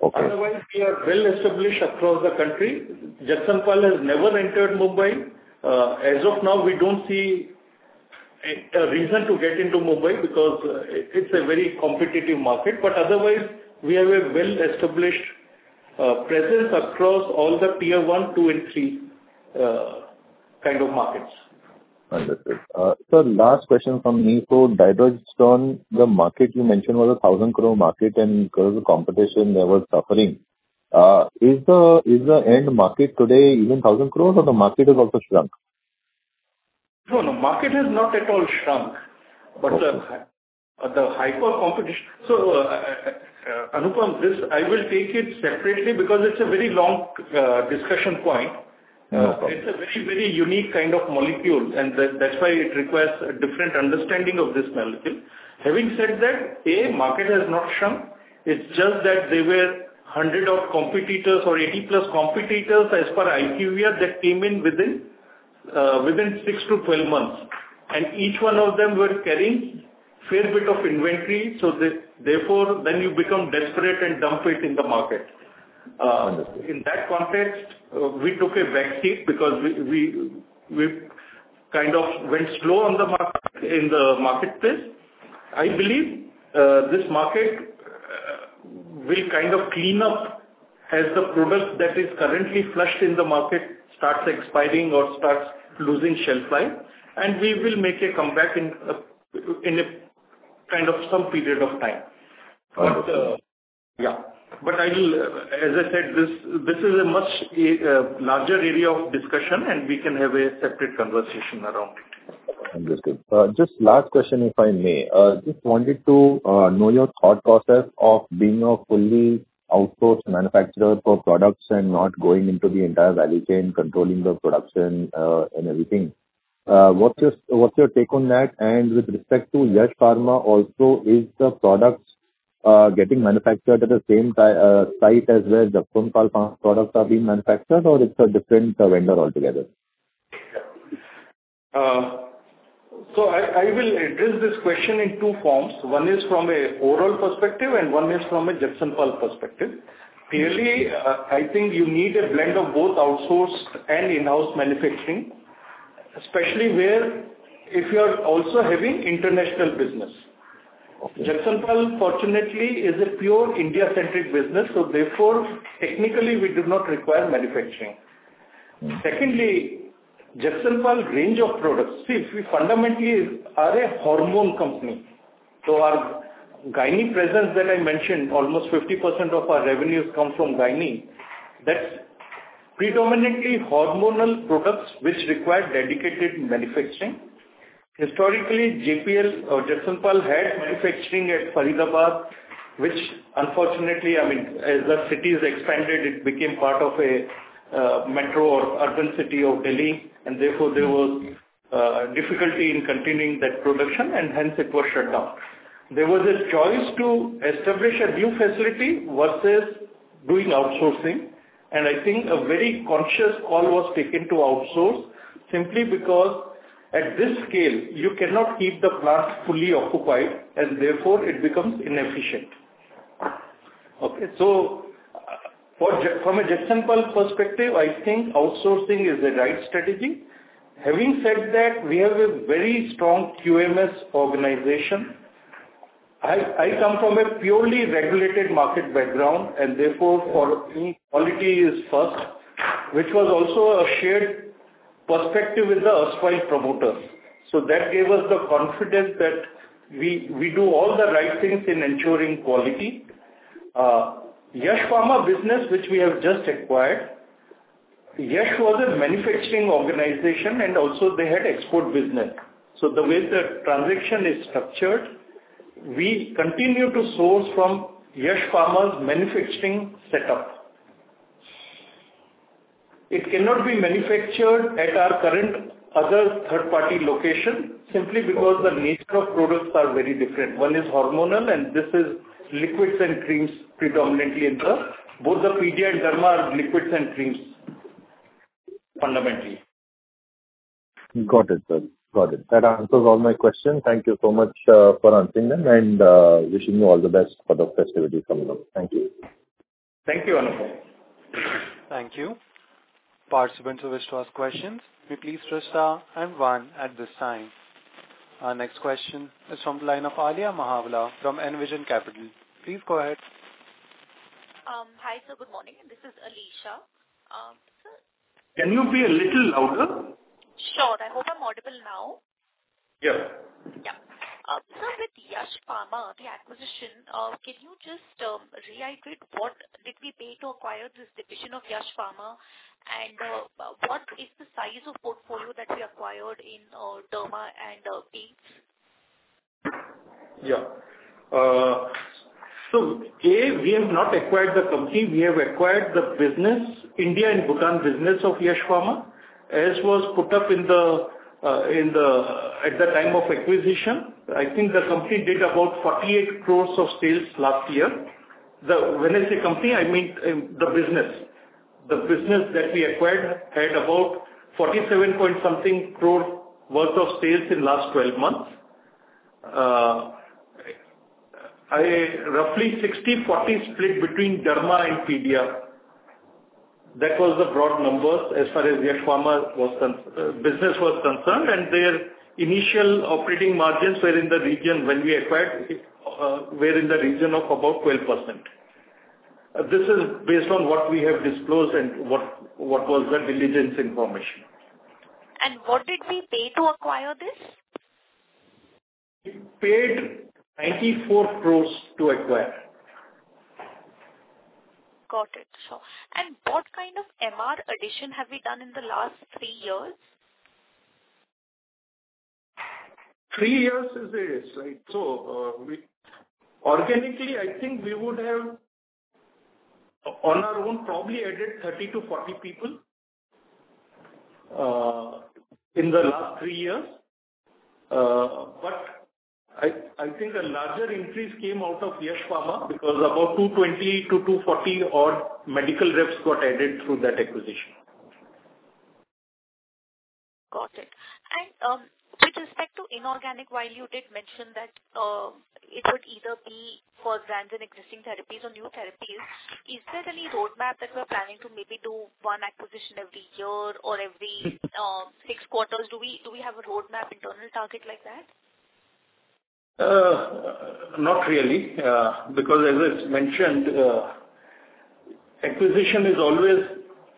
S9: Okay.
S3: Otherwise, we are well-established across the country. Jagsonpal has never entered Mumbai. As of now, we don't see a reason to get into Mumbai because it's a very competitive market. But otherwise, we have a well-established presence across all the tier one, two, and three kind of markets....
S9: Understood. So last question from me. So Dydrogesterone, the market you mentioned was a thousand crore market, and because of competition, they were suffering. Is the end market today even thousand crores or the market has also shrunk?
S3: No, no, market has not at all shrunk, but the hyper competition. So, Anupam, this I will take it separately because it's a very long discussion point.
S9: No problem.
S3: It's a very, very unique kind of molecule, and that, that's why it requires a different understanding of this molecule. Having said that, the market has not shrunk. It's just that there were hundred of competitors or eighty-plus competitors, as per IQVIA, that came in within six to twelve months, and each one of them were carrying fair bit of inventory, so they therefore then you become desperate and dump it in the market.
S9: Understood.
S3: In that context, we took a back seat because we kind of went slow on the market, in the marketplace. I believe, this market, will kind of clean up as the product that is currently flushed in the market starts expiring or starts losing shelf life, and we will make a comeback in, in a kind of some period of time.
S9: Right.
S3: But, yeah, but I will. As I said, this is a much larger area of discussion, and we can have a separate conversation around it.
S9: Understood. Just last question, if I may. Just wanted to know your thought process of being a fully outsourced manufacturer for products and not going into the entire value chain, controlling the production, and everything. What's your take on that? And with respect to Yash Pharma also, is the products getting manufactured at the same site as where Jagsonpal products are being manufactured or it's a different vendor altogether?
S3: So I will address this question in two forms. One is from an overall perspective, and one is from a Jagsonpal perspective.
S9: Okay.
S3: Clearly, I think you need a blend of both outsourced and in-house manufacturing, especially where if you are also having international business.
S9: Okay.
S3: Jagsonpal, fortunately, is a pure India-centric business, so therefore, technically, we do not require manufacturing. Secondly, Jagsonpal range of products, see, we fundamentally are a hormone company, so our gyne presence that I mentioned, almost 50% of our revenues come from gyne. That's predominantly hormonal products which require dedicated manufacturing. Historically, JPL or Jagsonpal had manufacturing at Faridabad, which unfortunately, I mean, as the city has expanded, it became part of a metro or urban city of Delhi, and therefore, there was a difficulty in continuing that production, and hence it was shut down. There was a choice to establish a new facility versus doing outsourcing, and I think a very conscious call was taken to outsource simply because at this scale, you cannot keep the plant fully occupied, and therefore, it becomes inefficient. Okay, so for Jagsonpal perspective, I think outsourcing is the right strategy. Having said that, we have a very strong QMS organization. I come from a purely regulated market background, and therefore, for me, quality is first, which was also a shared perspective with the Aspire promoters. So that gave us the confidence that we do all the right things in ensuring quality. Yash Pharma business, which we have just acquired, Yash was a manufacturing organization, and also they had export business. So the way the transaction is structured, we continue to source from Yash Pharma's manufacturing setup. It cannot be manufactured at our current other third-party location simply because the nature of products are very different. One is hormonal, and this is liquids and creams predominantly. Both the Pedia and Derma are liquids and creams, fundamentally.
S9: Got it, sir. Got it. That answers all my questions. Thank you so much for answering them, and wishing you all the best for the festivities coming up. Thank you.
S3: Thank you, Anupam.
S1: Thank you. Participants who wish to ask questions, may please press star and one at this time. Our next question is from the line of Alisha Mahawla from Envision Capital. Please go ahead.
S10: Hi, sir. Good morning. This is Alisha. Sir-
S3: Can you be a little louder?
S10: Sure. I hope I'm audible now.
S3: Yeah.
S10: Yeah. Sir, with Yash Pharma, the acquisition, can you just reiterate what did we pay to acquire this division of Yash Pharma? And, what is the size of portfolio that we acquired in, Derma and, Peds?
S3: Yeah. So A, we have not acquired the company, we have acquired the business, India and Bhutan business of Yash Pharma. As was put up in the, in the, at the time of acquisition, I think the company did about 48 crore of sales last year. The, when I say company, I mean, the business. The business that we acquired had about 47 point something crore worth of sales in last twelve months. Roughly 60/40 split between Derma and Pedia. That was the broad numbers as far as Yash Pharma was concerned, business was concerned, and their initial operating margins were in the region when we acquired, were in the region of about 12%. This is based on what we have disclosed and what was the diligence information.
S10: What did we pay to acquire this?
S3: We paid INR 94 crore to acquire.
S10: Got it. So and what kind of MR addition have we done in the last three years?
S3: Three years. So, we organically, I think we would have on our own, probably added 30 to 40 people in the last three years. But I think a larger increase came out of Yash Pharma, because about 220 to 240 odd medical reps got added through that acquisition.
S10: Got it. And, with respect to inorganic, while you did mention that, it would either be for brands and existing therapies or new therapies, is there any roadmap that we're planning to maybe do one acquisition every year or every, six quarters? Do we have a roadmap, internal target like that?
S3: Not really, because as I mentioned, acquisition is always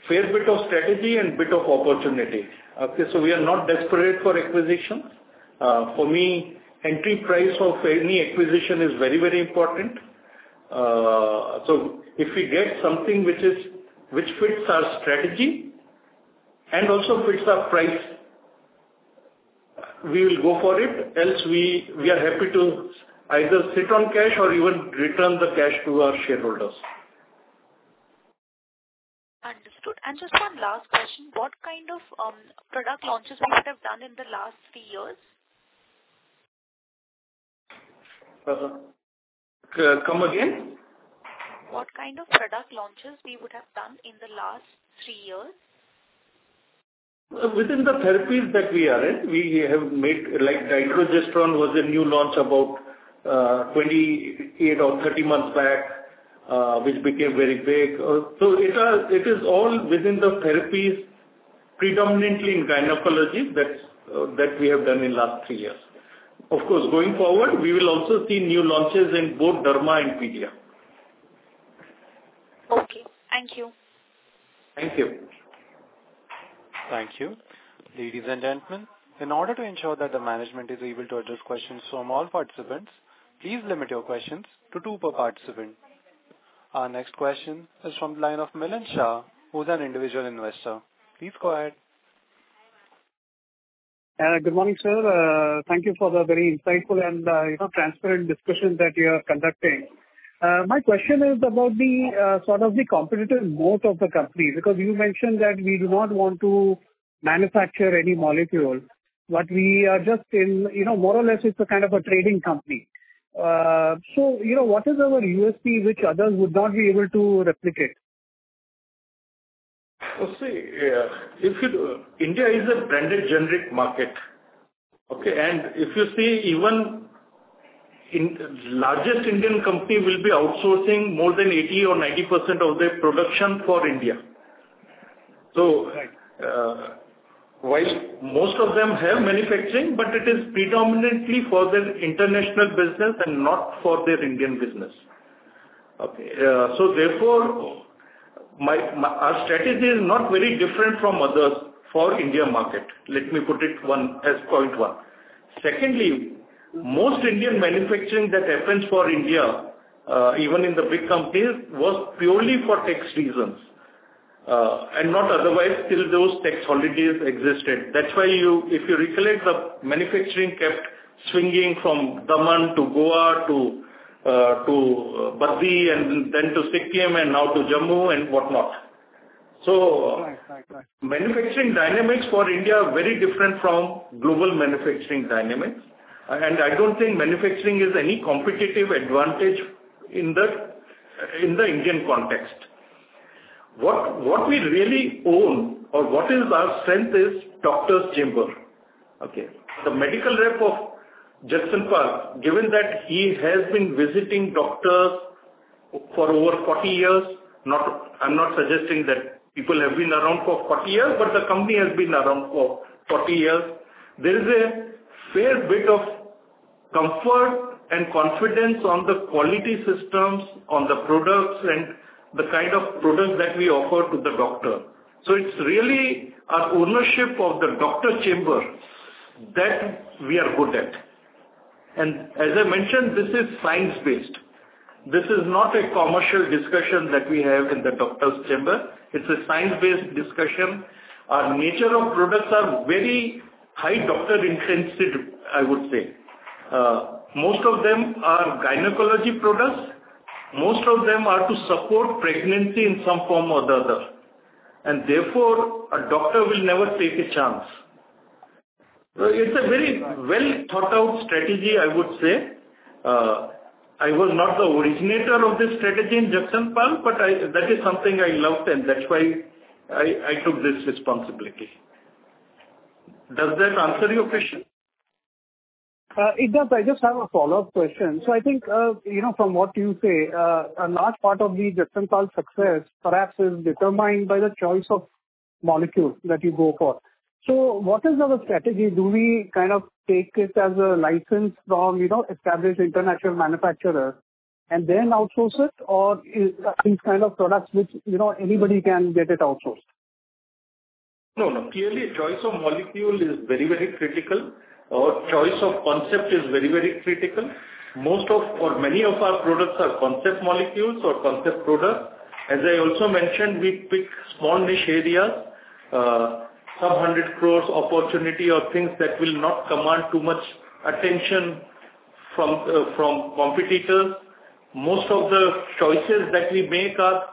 S3: fair bit of strategy and bit of opportunity. Okay, so we are not desperate for acquisitions. For me, entry price of any acquisition is very, very important. So if we get something which fits our strategy and also fits our price, we will go for it, else we are happy to either sit on cash or even return the cash to our shareholders.
S10: Understood. And just one last question: What kind of product launches we might have done in the last three years?
S3: Come again?
S10: What kind of product launches we would have done in the last three years?
S3: Within the therapies that we are in, we have made, like, Dydrogesterone was a new launch about 28 or 30 months back, which became very big. So it is all within the therapies, predominantly in gynecology, that's that we have done in last three years. Of course, going forward, we will also see new launches in both Derma and Pedia.
S10: Okay. Thank you.
S3: Thank you.
S1: Thank you. Ladies and gentlemen, in order to ensure that the management is able to address questions from all participants, please limit your questions to two per participant. Our next question is from the line of Milen Shah, who's an individual investor. Please go ahead. Good morning, sir. Thank you for the very insightful and, you know, transparent discussion that you are conducting. My question is about the sort of the competitive moat of the company, because you mentioned that we do not want to manufacture any molecule, but we are just in, you know, more or less, it's a kind of a trading company. So, you know, what is our USP, which others would not be able to replicate?
S3: See, if you... India is a branded generic market, okay? And if you see, even largest Indian company will be outsourcing more than 80% or 90% of their production for India. So, while most of them have manufacturing, but it is predominantly for their international business and not for their Indian business. Okay, so therefore, our strategy is not very different from others for India market. Let me put it one, as point one. Secondly, most Indian manufacturing that happens for India, even in the big companies, was purely for tax reasons, and not otherwise, till those tax holidays existed. That's why, if you recollect, the manufacturing kept swinging from Daman to Goa to Baddi and then to Sikkim and now to Jammu and whatnot. Right. Right. Right. So manufacturing dynamics for India are very different from global manufacturing dynamics. And I don't think manufacturing is any competitive advantage in the, in the Indian context. What we really own or what is our strength is doctor's chamber. Okay? The medical rep of Jagsonpal, given that he has been visiting doctors for over 40 years, I'm not suggesting that people have been around for 40 years, but the company has been around for 40 years. There is a fair bit of comfort and confidence on the quality systems, on the products and the kind of products that we offer to the doctor. So it's really our ownership of the doctor chamber that we are good at. And as I mentioned, this is science-based. This is not a commercial discussion that we have in the doctor's chamber. It's a science-based discussion. Our nature of products are very high doctor-intensive, I would say. Most of them are gynecology products. Most of them are to support pregnancy in some form or the other, and therefore, a doctor will never take a chance. So it's a very well-thought-out strategy, I would say. I was not the originator of this strategy in Jagsonpal, but I... That is something I loved, and that's why I took this responsibility. Does that answer your question? It does. I just have a follow-up question. So I think, you know, from what you say, a large part of the Jagsonpal success perhaps is determined by the choice of molecule that you go for. So what is our strategy? Do we kind of take it as a license from, you know, established international manufacturer and then outsource it, or is these kind of products which, you know, anybody can get it outsourced? No, no. Clearly, choice of molecule is very, very critical, or choice of concept is very, very critical. Most of, or many of our products are concept molecules or concept products. As I also mentioned, we pick small niche areas, sub-hundred crores opportunity or things that will not command too much attention from competitors. Most of the choices that we make are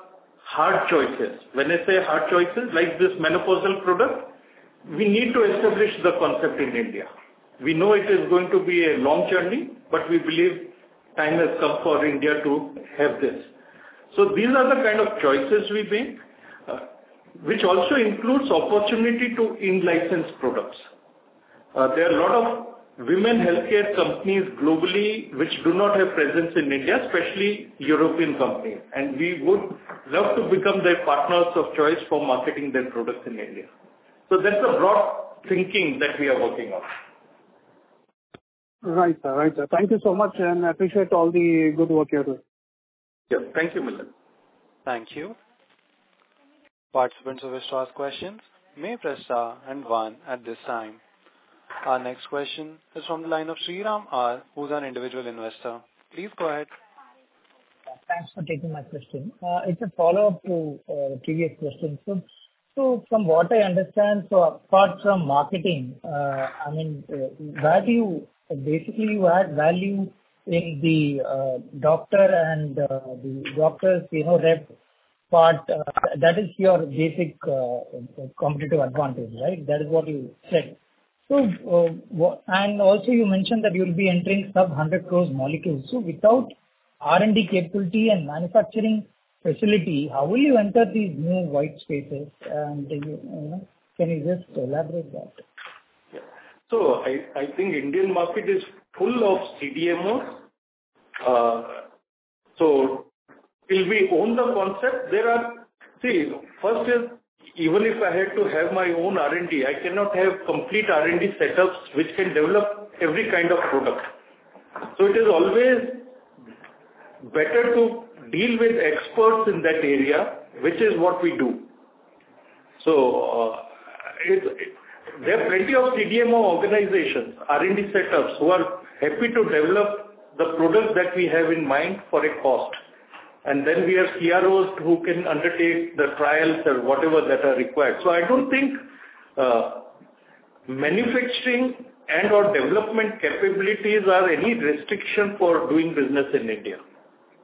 S3: hard choices. When I say hard choices, like this menopausal product, we need to establish the concept in India. We know it is going to be a long journey, but we believe time has come for India to have this. So these are the kind of choices we make, which also includes opportunity to in-license products. There are a lot of women healthcare companies globally which do not have presence in India, especially European companies, and we would love to become their partners of choice for marketing their products in India. So that's the broad thinking that we are working on. Right, sir. Right, sir. Thank you so much, and I appreciate all the good work you're doing. Yep. Thank you, Milen.
S1: Thank you. Participants who wish to ask questions may press star and one at this time. Our next question is from the line of Sriram R, who's an individual investor. Please go ahead. Thanks for taking my question. It's a follow-up to previous question. So, from what I understand, so apart from marketing, I mean, value, basically you add value in the doctor and the doctors, you know, rep part, that is your basic competitive advantage, right? That is what you said. So, what... And also you mentioned that you'll be entering sub-hundred crores molecules. So without R&D capability and manufacturing facility, how will you enter these new white spaces, and can you just elaborate that?
S3: Yeah. So I think Indian market is full of CDMOs. So till we own the concept, there are. See, first is, even if I had to have my own R&D, I cannot have complete R&D setups which can develop every kind of product. So it is always better to deal with experts in that area, which is what we do. So, there are plenty of CDMO organizations, R&D setups, who are happy to develop the products that we have in mind for a cost. And then we have CROs who can undertake the trials or whatever that are required. So I don't think manufacturing and/or development capabilities are any restriction for doing business in India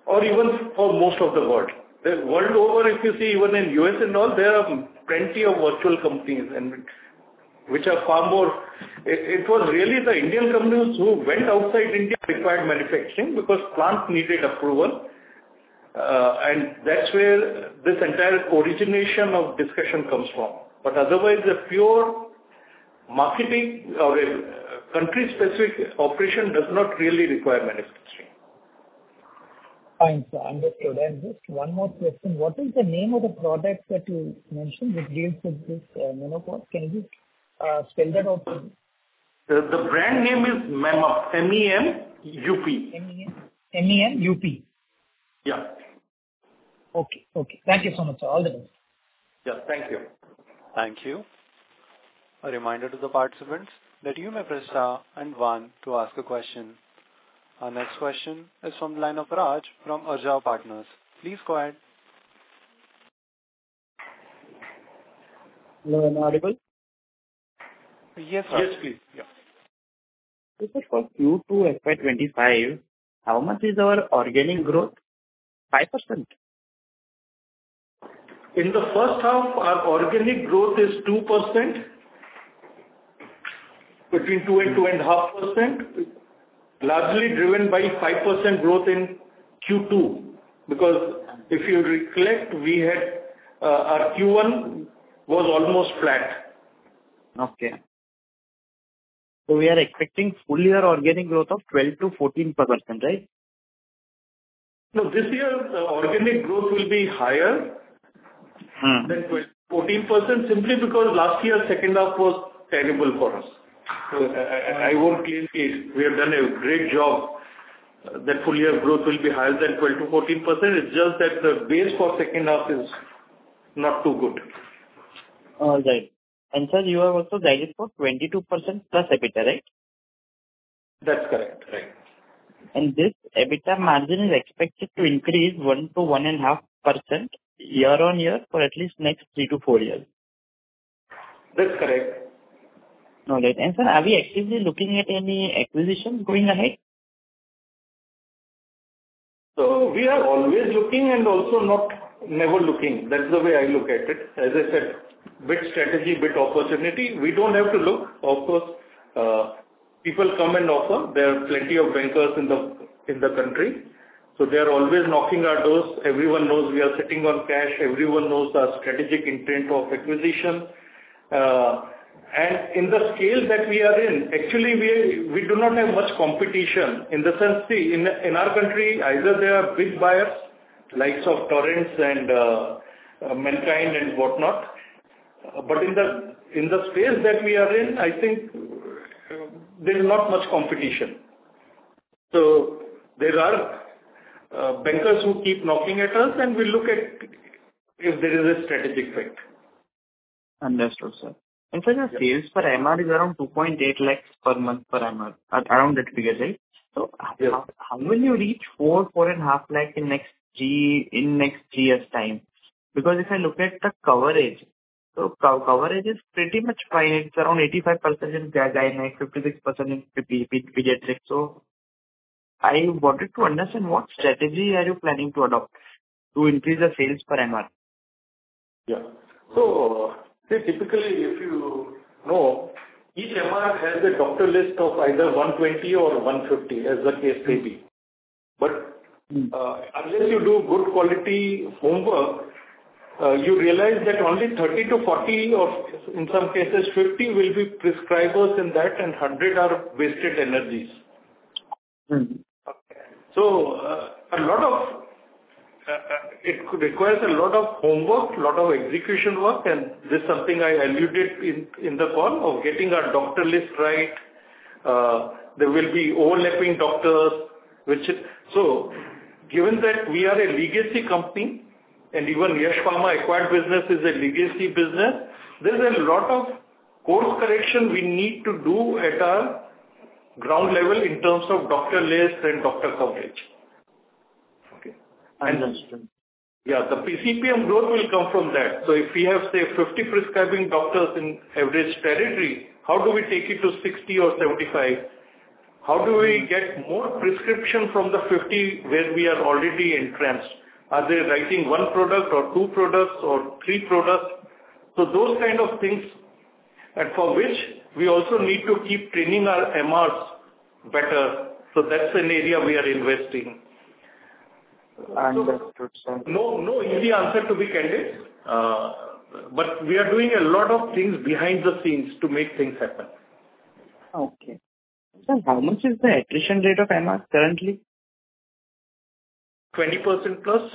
S3: or even for most of the world. The world over, if you see, even in U.S. and all, there are plenty of virtual companies and which are far more. It was really the Indian companies who went outside India required manufacturing because plant needed approval, and that's where this entire origination of discussion comes from. But otherwise, a pure marketing or a country-specific operation does not really require manufacturing. Fine, sir. Understood, and just one more question. What is the name of the product that you mentioned, which gives you this menopause? Can you just spell that out, please? The brand name is Memup. M-E-M-U-P. M-E-M-U-P? Yeah. Okay. Okay. Thank you so much, sir. All the best. Yeah, thank you.
S1: Thank you. A reminder to the participants that you may press star and one to ask a question. Our next question is from the line of Raj from Ojha Partners. Please go ahead. Hello, am I audible?
S3: Yes, sir. Yes, please. Yeah. This is for Q2 FY twenty-five. How much is our organic growth? 5%? In the first half, our organic growth is 2%, between 2% and 2.5%, largely driven by 5% growth in Q2, because if you reflect, we had, our Q1 was almost flat. Okay, so we are expecting full year organic growth of 12%-14%, right? No, this year, organic growth will be higher than 14%, simply because last year, second half was terrible for us. I won't play it, we have done a great job. That full year growth will be higher than 12%-14%. It's just that the base for second half is not too good. All right. And sir, you have also guided for 22% plus EBITDA, right? That's correct. Right. This EBITDA margin is expected to increase 1%-1.5% year on year for at least next 3-4 years? That's correct. All right. And sir, are we actively looking at any acquisition going ahead? So we are always looking and also not never looking. That's the way I look at it. As I said, by strategy, by opportunity, we don't have to look. Of course, people come and offer. There are plenty of bankers in the country, so they are always knocking our doors. Everyone knows we are sitting on cash. Everyone knows our strategic intent of acquisition, and in the scale that we are in, actually, we do not have much competition in the sense, see, in our country, either they are big buyers, likes of Torrent and Mankind and whatnot. But in the space that we are in, I think there's not much competition. So there are bankers who keep knocking at us, and we look at if there is a strategic fit. Understood, sir. And so the sales per MR is around 2.8 lakhs per month per MR, around that figure, right? Yeah. How will you reach four, four and a half lakh in next GS time? Because if I look at the coverage, coverage is pretty much fine. It's around 85% in gastroenteric, 56% in pediatrics. I wanted to understand, what strategy are you planning to adopt to increase the sales per MR? Yeah. So see, typically, if you know, each MR has a doctor list of either 120 or 150, as the case may be. But, unless you do good quality homework, you realize that only 30-40 or, in some cases, 50 will be prescribers in that, and 100 are wasted energies. Okay. It requires a lot of homework, a lot of execution work, and this is something I alluded in the call of getting our doctor list right. There will be overlapping doctors, which is so given that we are a legacy company, and even Yash Pharma acquired business is a legacy business. There's a lot of course correction we need to do at our ground level in terms of doctor list and doctor coverage. Okay, I understand. Yeah, the PCPM growth will come from that. So if we have, say, 50 prescribing doctors in average territory, how do we take it to 60 or 75? How do we get more prescription from the 50 where we are already entrenched? Are they writing one product or two products or three products? So those kind of things, and for which we also need to keep training our MRs better, so that's an area we are investing. Understood, sir. No, no easy answer, to be candid, but we are doing a lot of things behind the scenes to make things happen. Okay. Sir, how much is the attrition rate of MR currently? 20% plus,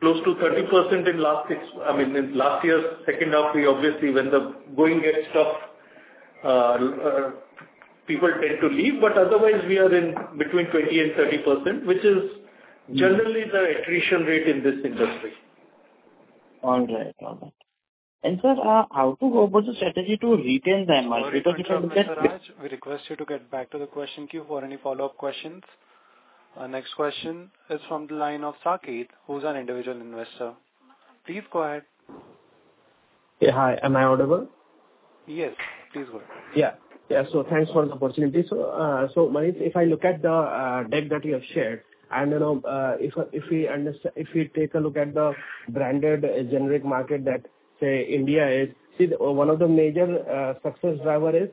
S3: close to 30% in last year's second half, we obviously, when the going gets tough, people tend to leave, but otherwise we are between 20% and 30%, which is generally the attrition rate in this industry. All right. And sir, what's the strategy to retain the MR? Because if you get-
S1: We request you to get back to the question queue for any follow-up questions. Our next question is from the line of Saket, who's an individual investor. Please go ahead. Yeah, hi. Am I audible? Yes, please go ahead. Yeah. Yeah, so thanks for the opportunity. So, so Manish, if I look at the deck that you have shared, and, you know, if we take a look at the branded generic market that, say, India is, see, one of the major success driver is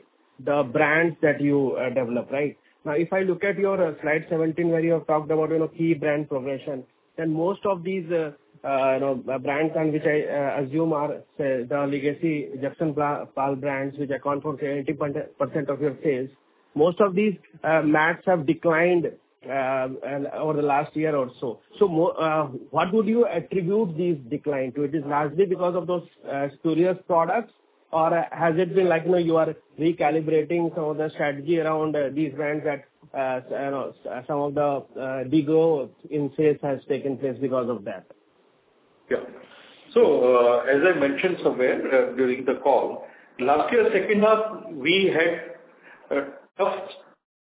S1: the brands that you develop, right? Now, if I look at your slide 17, where you have talked about, you know, key brand progression, then most of these, you know, brands on which I assume are, say, the legacy Jagsonpal brands, which account for 80% of your sales. Most of these have declined over the last year or so. So what would you attribute this decline to? It is largely because of those spurious products, or has it been like, you know, you are recalibrating some of the strategy around these brands that, you know, some of the de-growth in sales has taken place because of that?
S3: Yeah, so as I mentioned somewhere during the call, last year, second half, we had a tough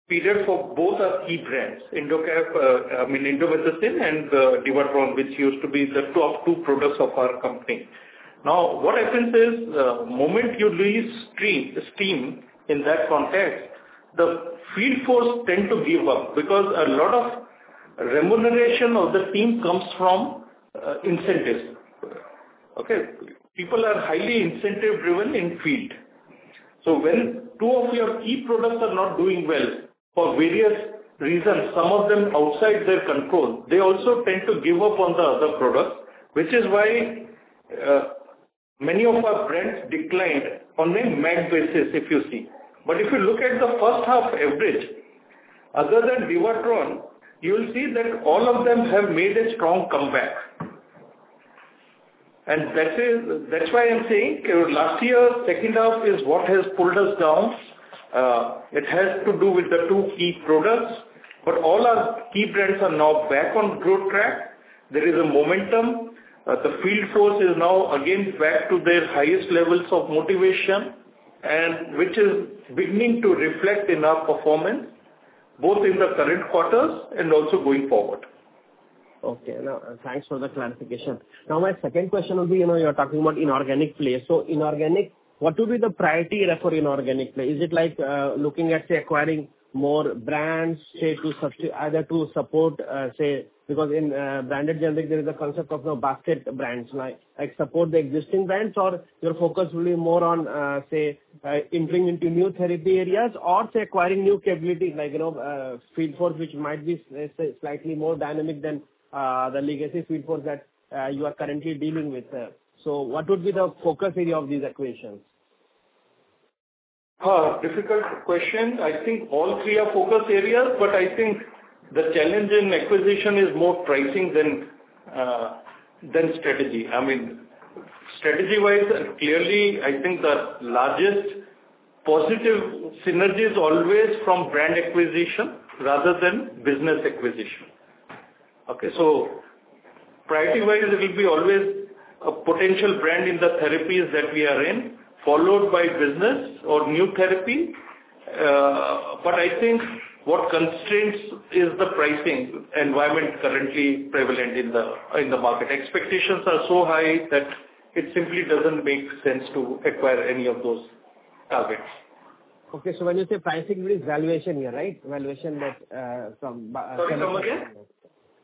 S3: period for both our key brands, Indocap, I mean, Indomethacin and Divatrone, which used to be the top two products of our company. Now, what happens is, moment you lose steam in that context, the field force tend to give up, because a lot of remuneration of the team comes from incentives. Okay? People are highly incentive-driven in field. So when two of your key products are not doing well for various reasons, some of them outside their control, they also tend to give up on the other products, which is why many of our brands declined on a MAG basis, if you see. But if you look at the first half average, other than Divatrone, you will see that all of them have made a strong comeback. And that's why I'm saying, last year, second half is what has pulled us down. It has to do with the two key products, but all our key brands are now back on growth track. There is a momentum. The field force is now again back to their highest levels of motivation, and which is beginning to reflect in our performance, both in the current quarters and also going forward. Okay, now, thanks for the clarification. Now, my second question would be, you know, you're talking about inorganic players. So inorganic, what would be the priority area for inorganic player? Is it like looking at, say, acquiring more brands, say, either to support, say, because in branded generic, there is a concept of the basket brands, like support the existing brands, or your focus will be more on, say, entering into new therapy areas, or, say, acquiring new capabilities, like, you know, field force, which might be slightly more dynamic than the legacy field force that you are currently dealing with? So what would be the focus area of these acquisitions?... Difficult question. I think all three are focus areas, but I think the challenge in acquisition is more pricing than strategy. I mean, strategy-wise, clearly, I think the largest positive synergy is always from brand acquisition rather than business acquisition. Okay, so priority-wise, it will be always a potential brand in the therapies that we are in, followed by business or new therapy. But I think what constraints is the pricing environment currently prevalent in the market. Expectations are so high that it simply doesn't make sense to acquire any of those targets. Okay, so when you say pricing, it is valuation here, right? Valuation that, from- Sorry, come again?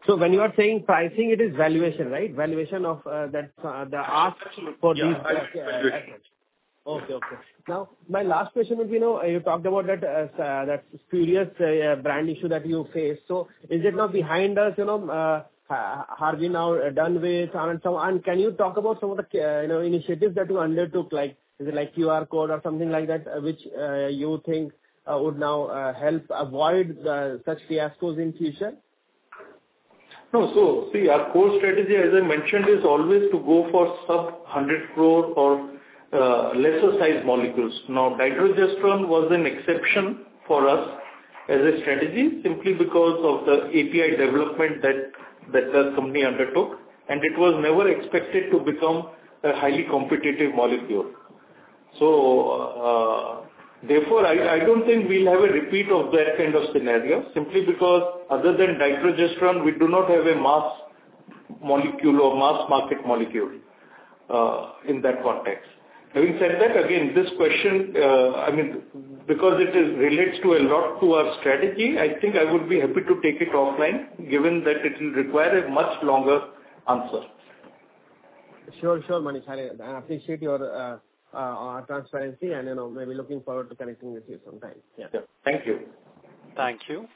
S3: So when you are saying pricing, it is valuation, right? Valuation of, that, the ask for these- Yeah. Okay, okay. Now, my last question is, you know, you talked about that spurious brand issue that you faced. So is it now behind us, you know, are we now done with? And so, and can you talk about some of the, you know, initiatives that you undertook? Like, is it like QR code or something like that, which you think would now help avoid such fiascos in future? No. So see, our core strategy, as I mentioned, is always to go for sub hundred crore or lesser-sized molecules. Now, Dydrogesterone was an exception for us as a strategy, simply because of the API development that the company undertook, and it was never expected to become a highly competitive molecule. So, therefore, I don't think we'll have a repeat of that kind of scenario simply because other than Dydrogesterone, we do not have a mass molecule or mass-market molecule in that context. Having said that, again, this question, I mean, because it relates a lot to our strategy, I think I would be happy to take it offline, given that it will require a much longer answer. Sure, sure, Manish. I appreciate your transparency and, you know, maybe looking forward to connecting with you sometime. Yeah. Thank you.
S1: Thank you,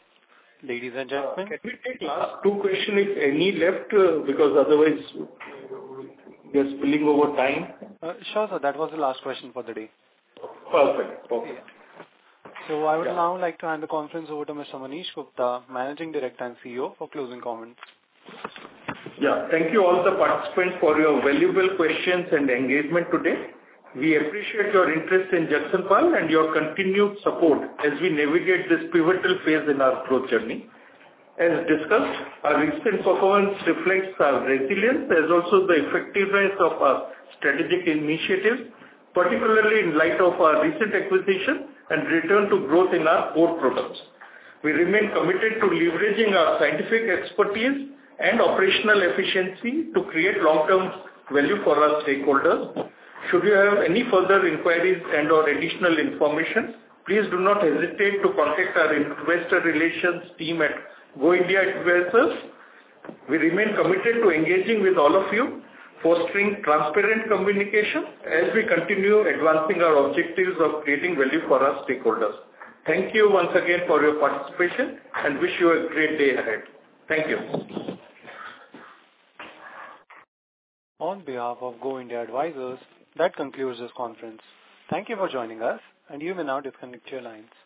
S1: ladies and gentlemen.
S3: Can we take last two question, if any, left? Because otherwise we are spilling over time.
S1: Sure, sir. That was the last question for the day.
S3: Perfect. Okay.
S1: So I would now like to hand the conference over to Mr. Manish Gupta, Managing Director and CEO, for closing comments.
S3: Yeah. Thank you all the participants for your valuable questions and engagement today. We appreciate your interest in Jagsonpal and your continued support as we navigate this pivotal phase in our growth journey. As discussed, our recent performance reflects our resilience, as also the effectiveness of our strategic initiatives, particularly in light of our recent acquisition and return to growth in our core products. We remain committed to leveraging our scientific expertise and operational efficiency to create long-term value for our stakeholders. Should you have any further inquiries and/or additional information, please do not hesitate to contact our investor relations team at Go India Advisors. We remain committed to engaging with all of you, fostering transparent communication, as we continue advancing our objectives of creating value for our stakeholders. Thank you once again for your participation, and wish you a great day ahead. Thank you.
S1: On behalf of Go India Advisors, that concludes this conference. Thank you for joining us, and you may now disconnect your lines.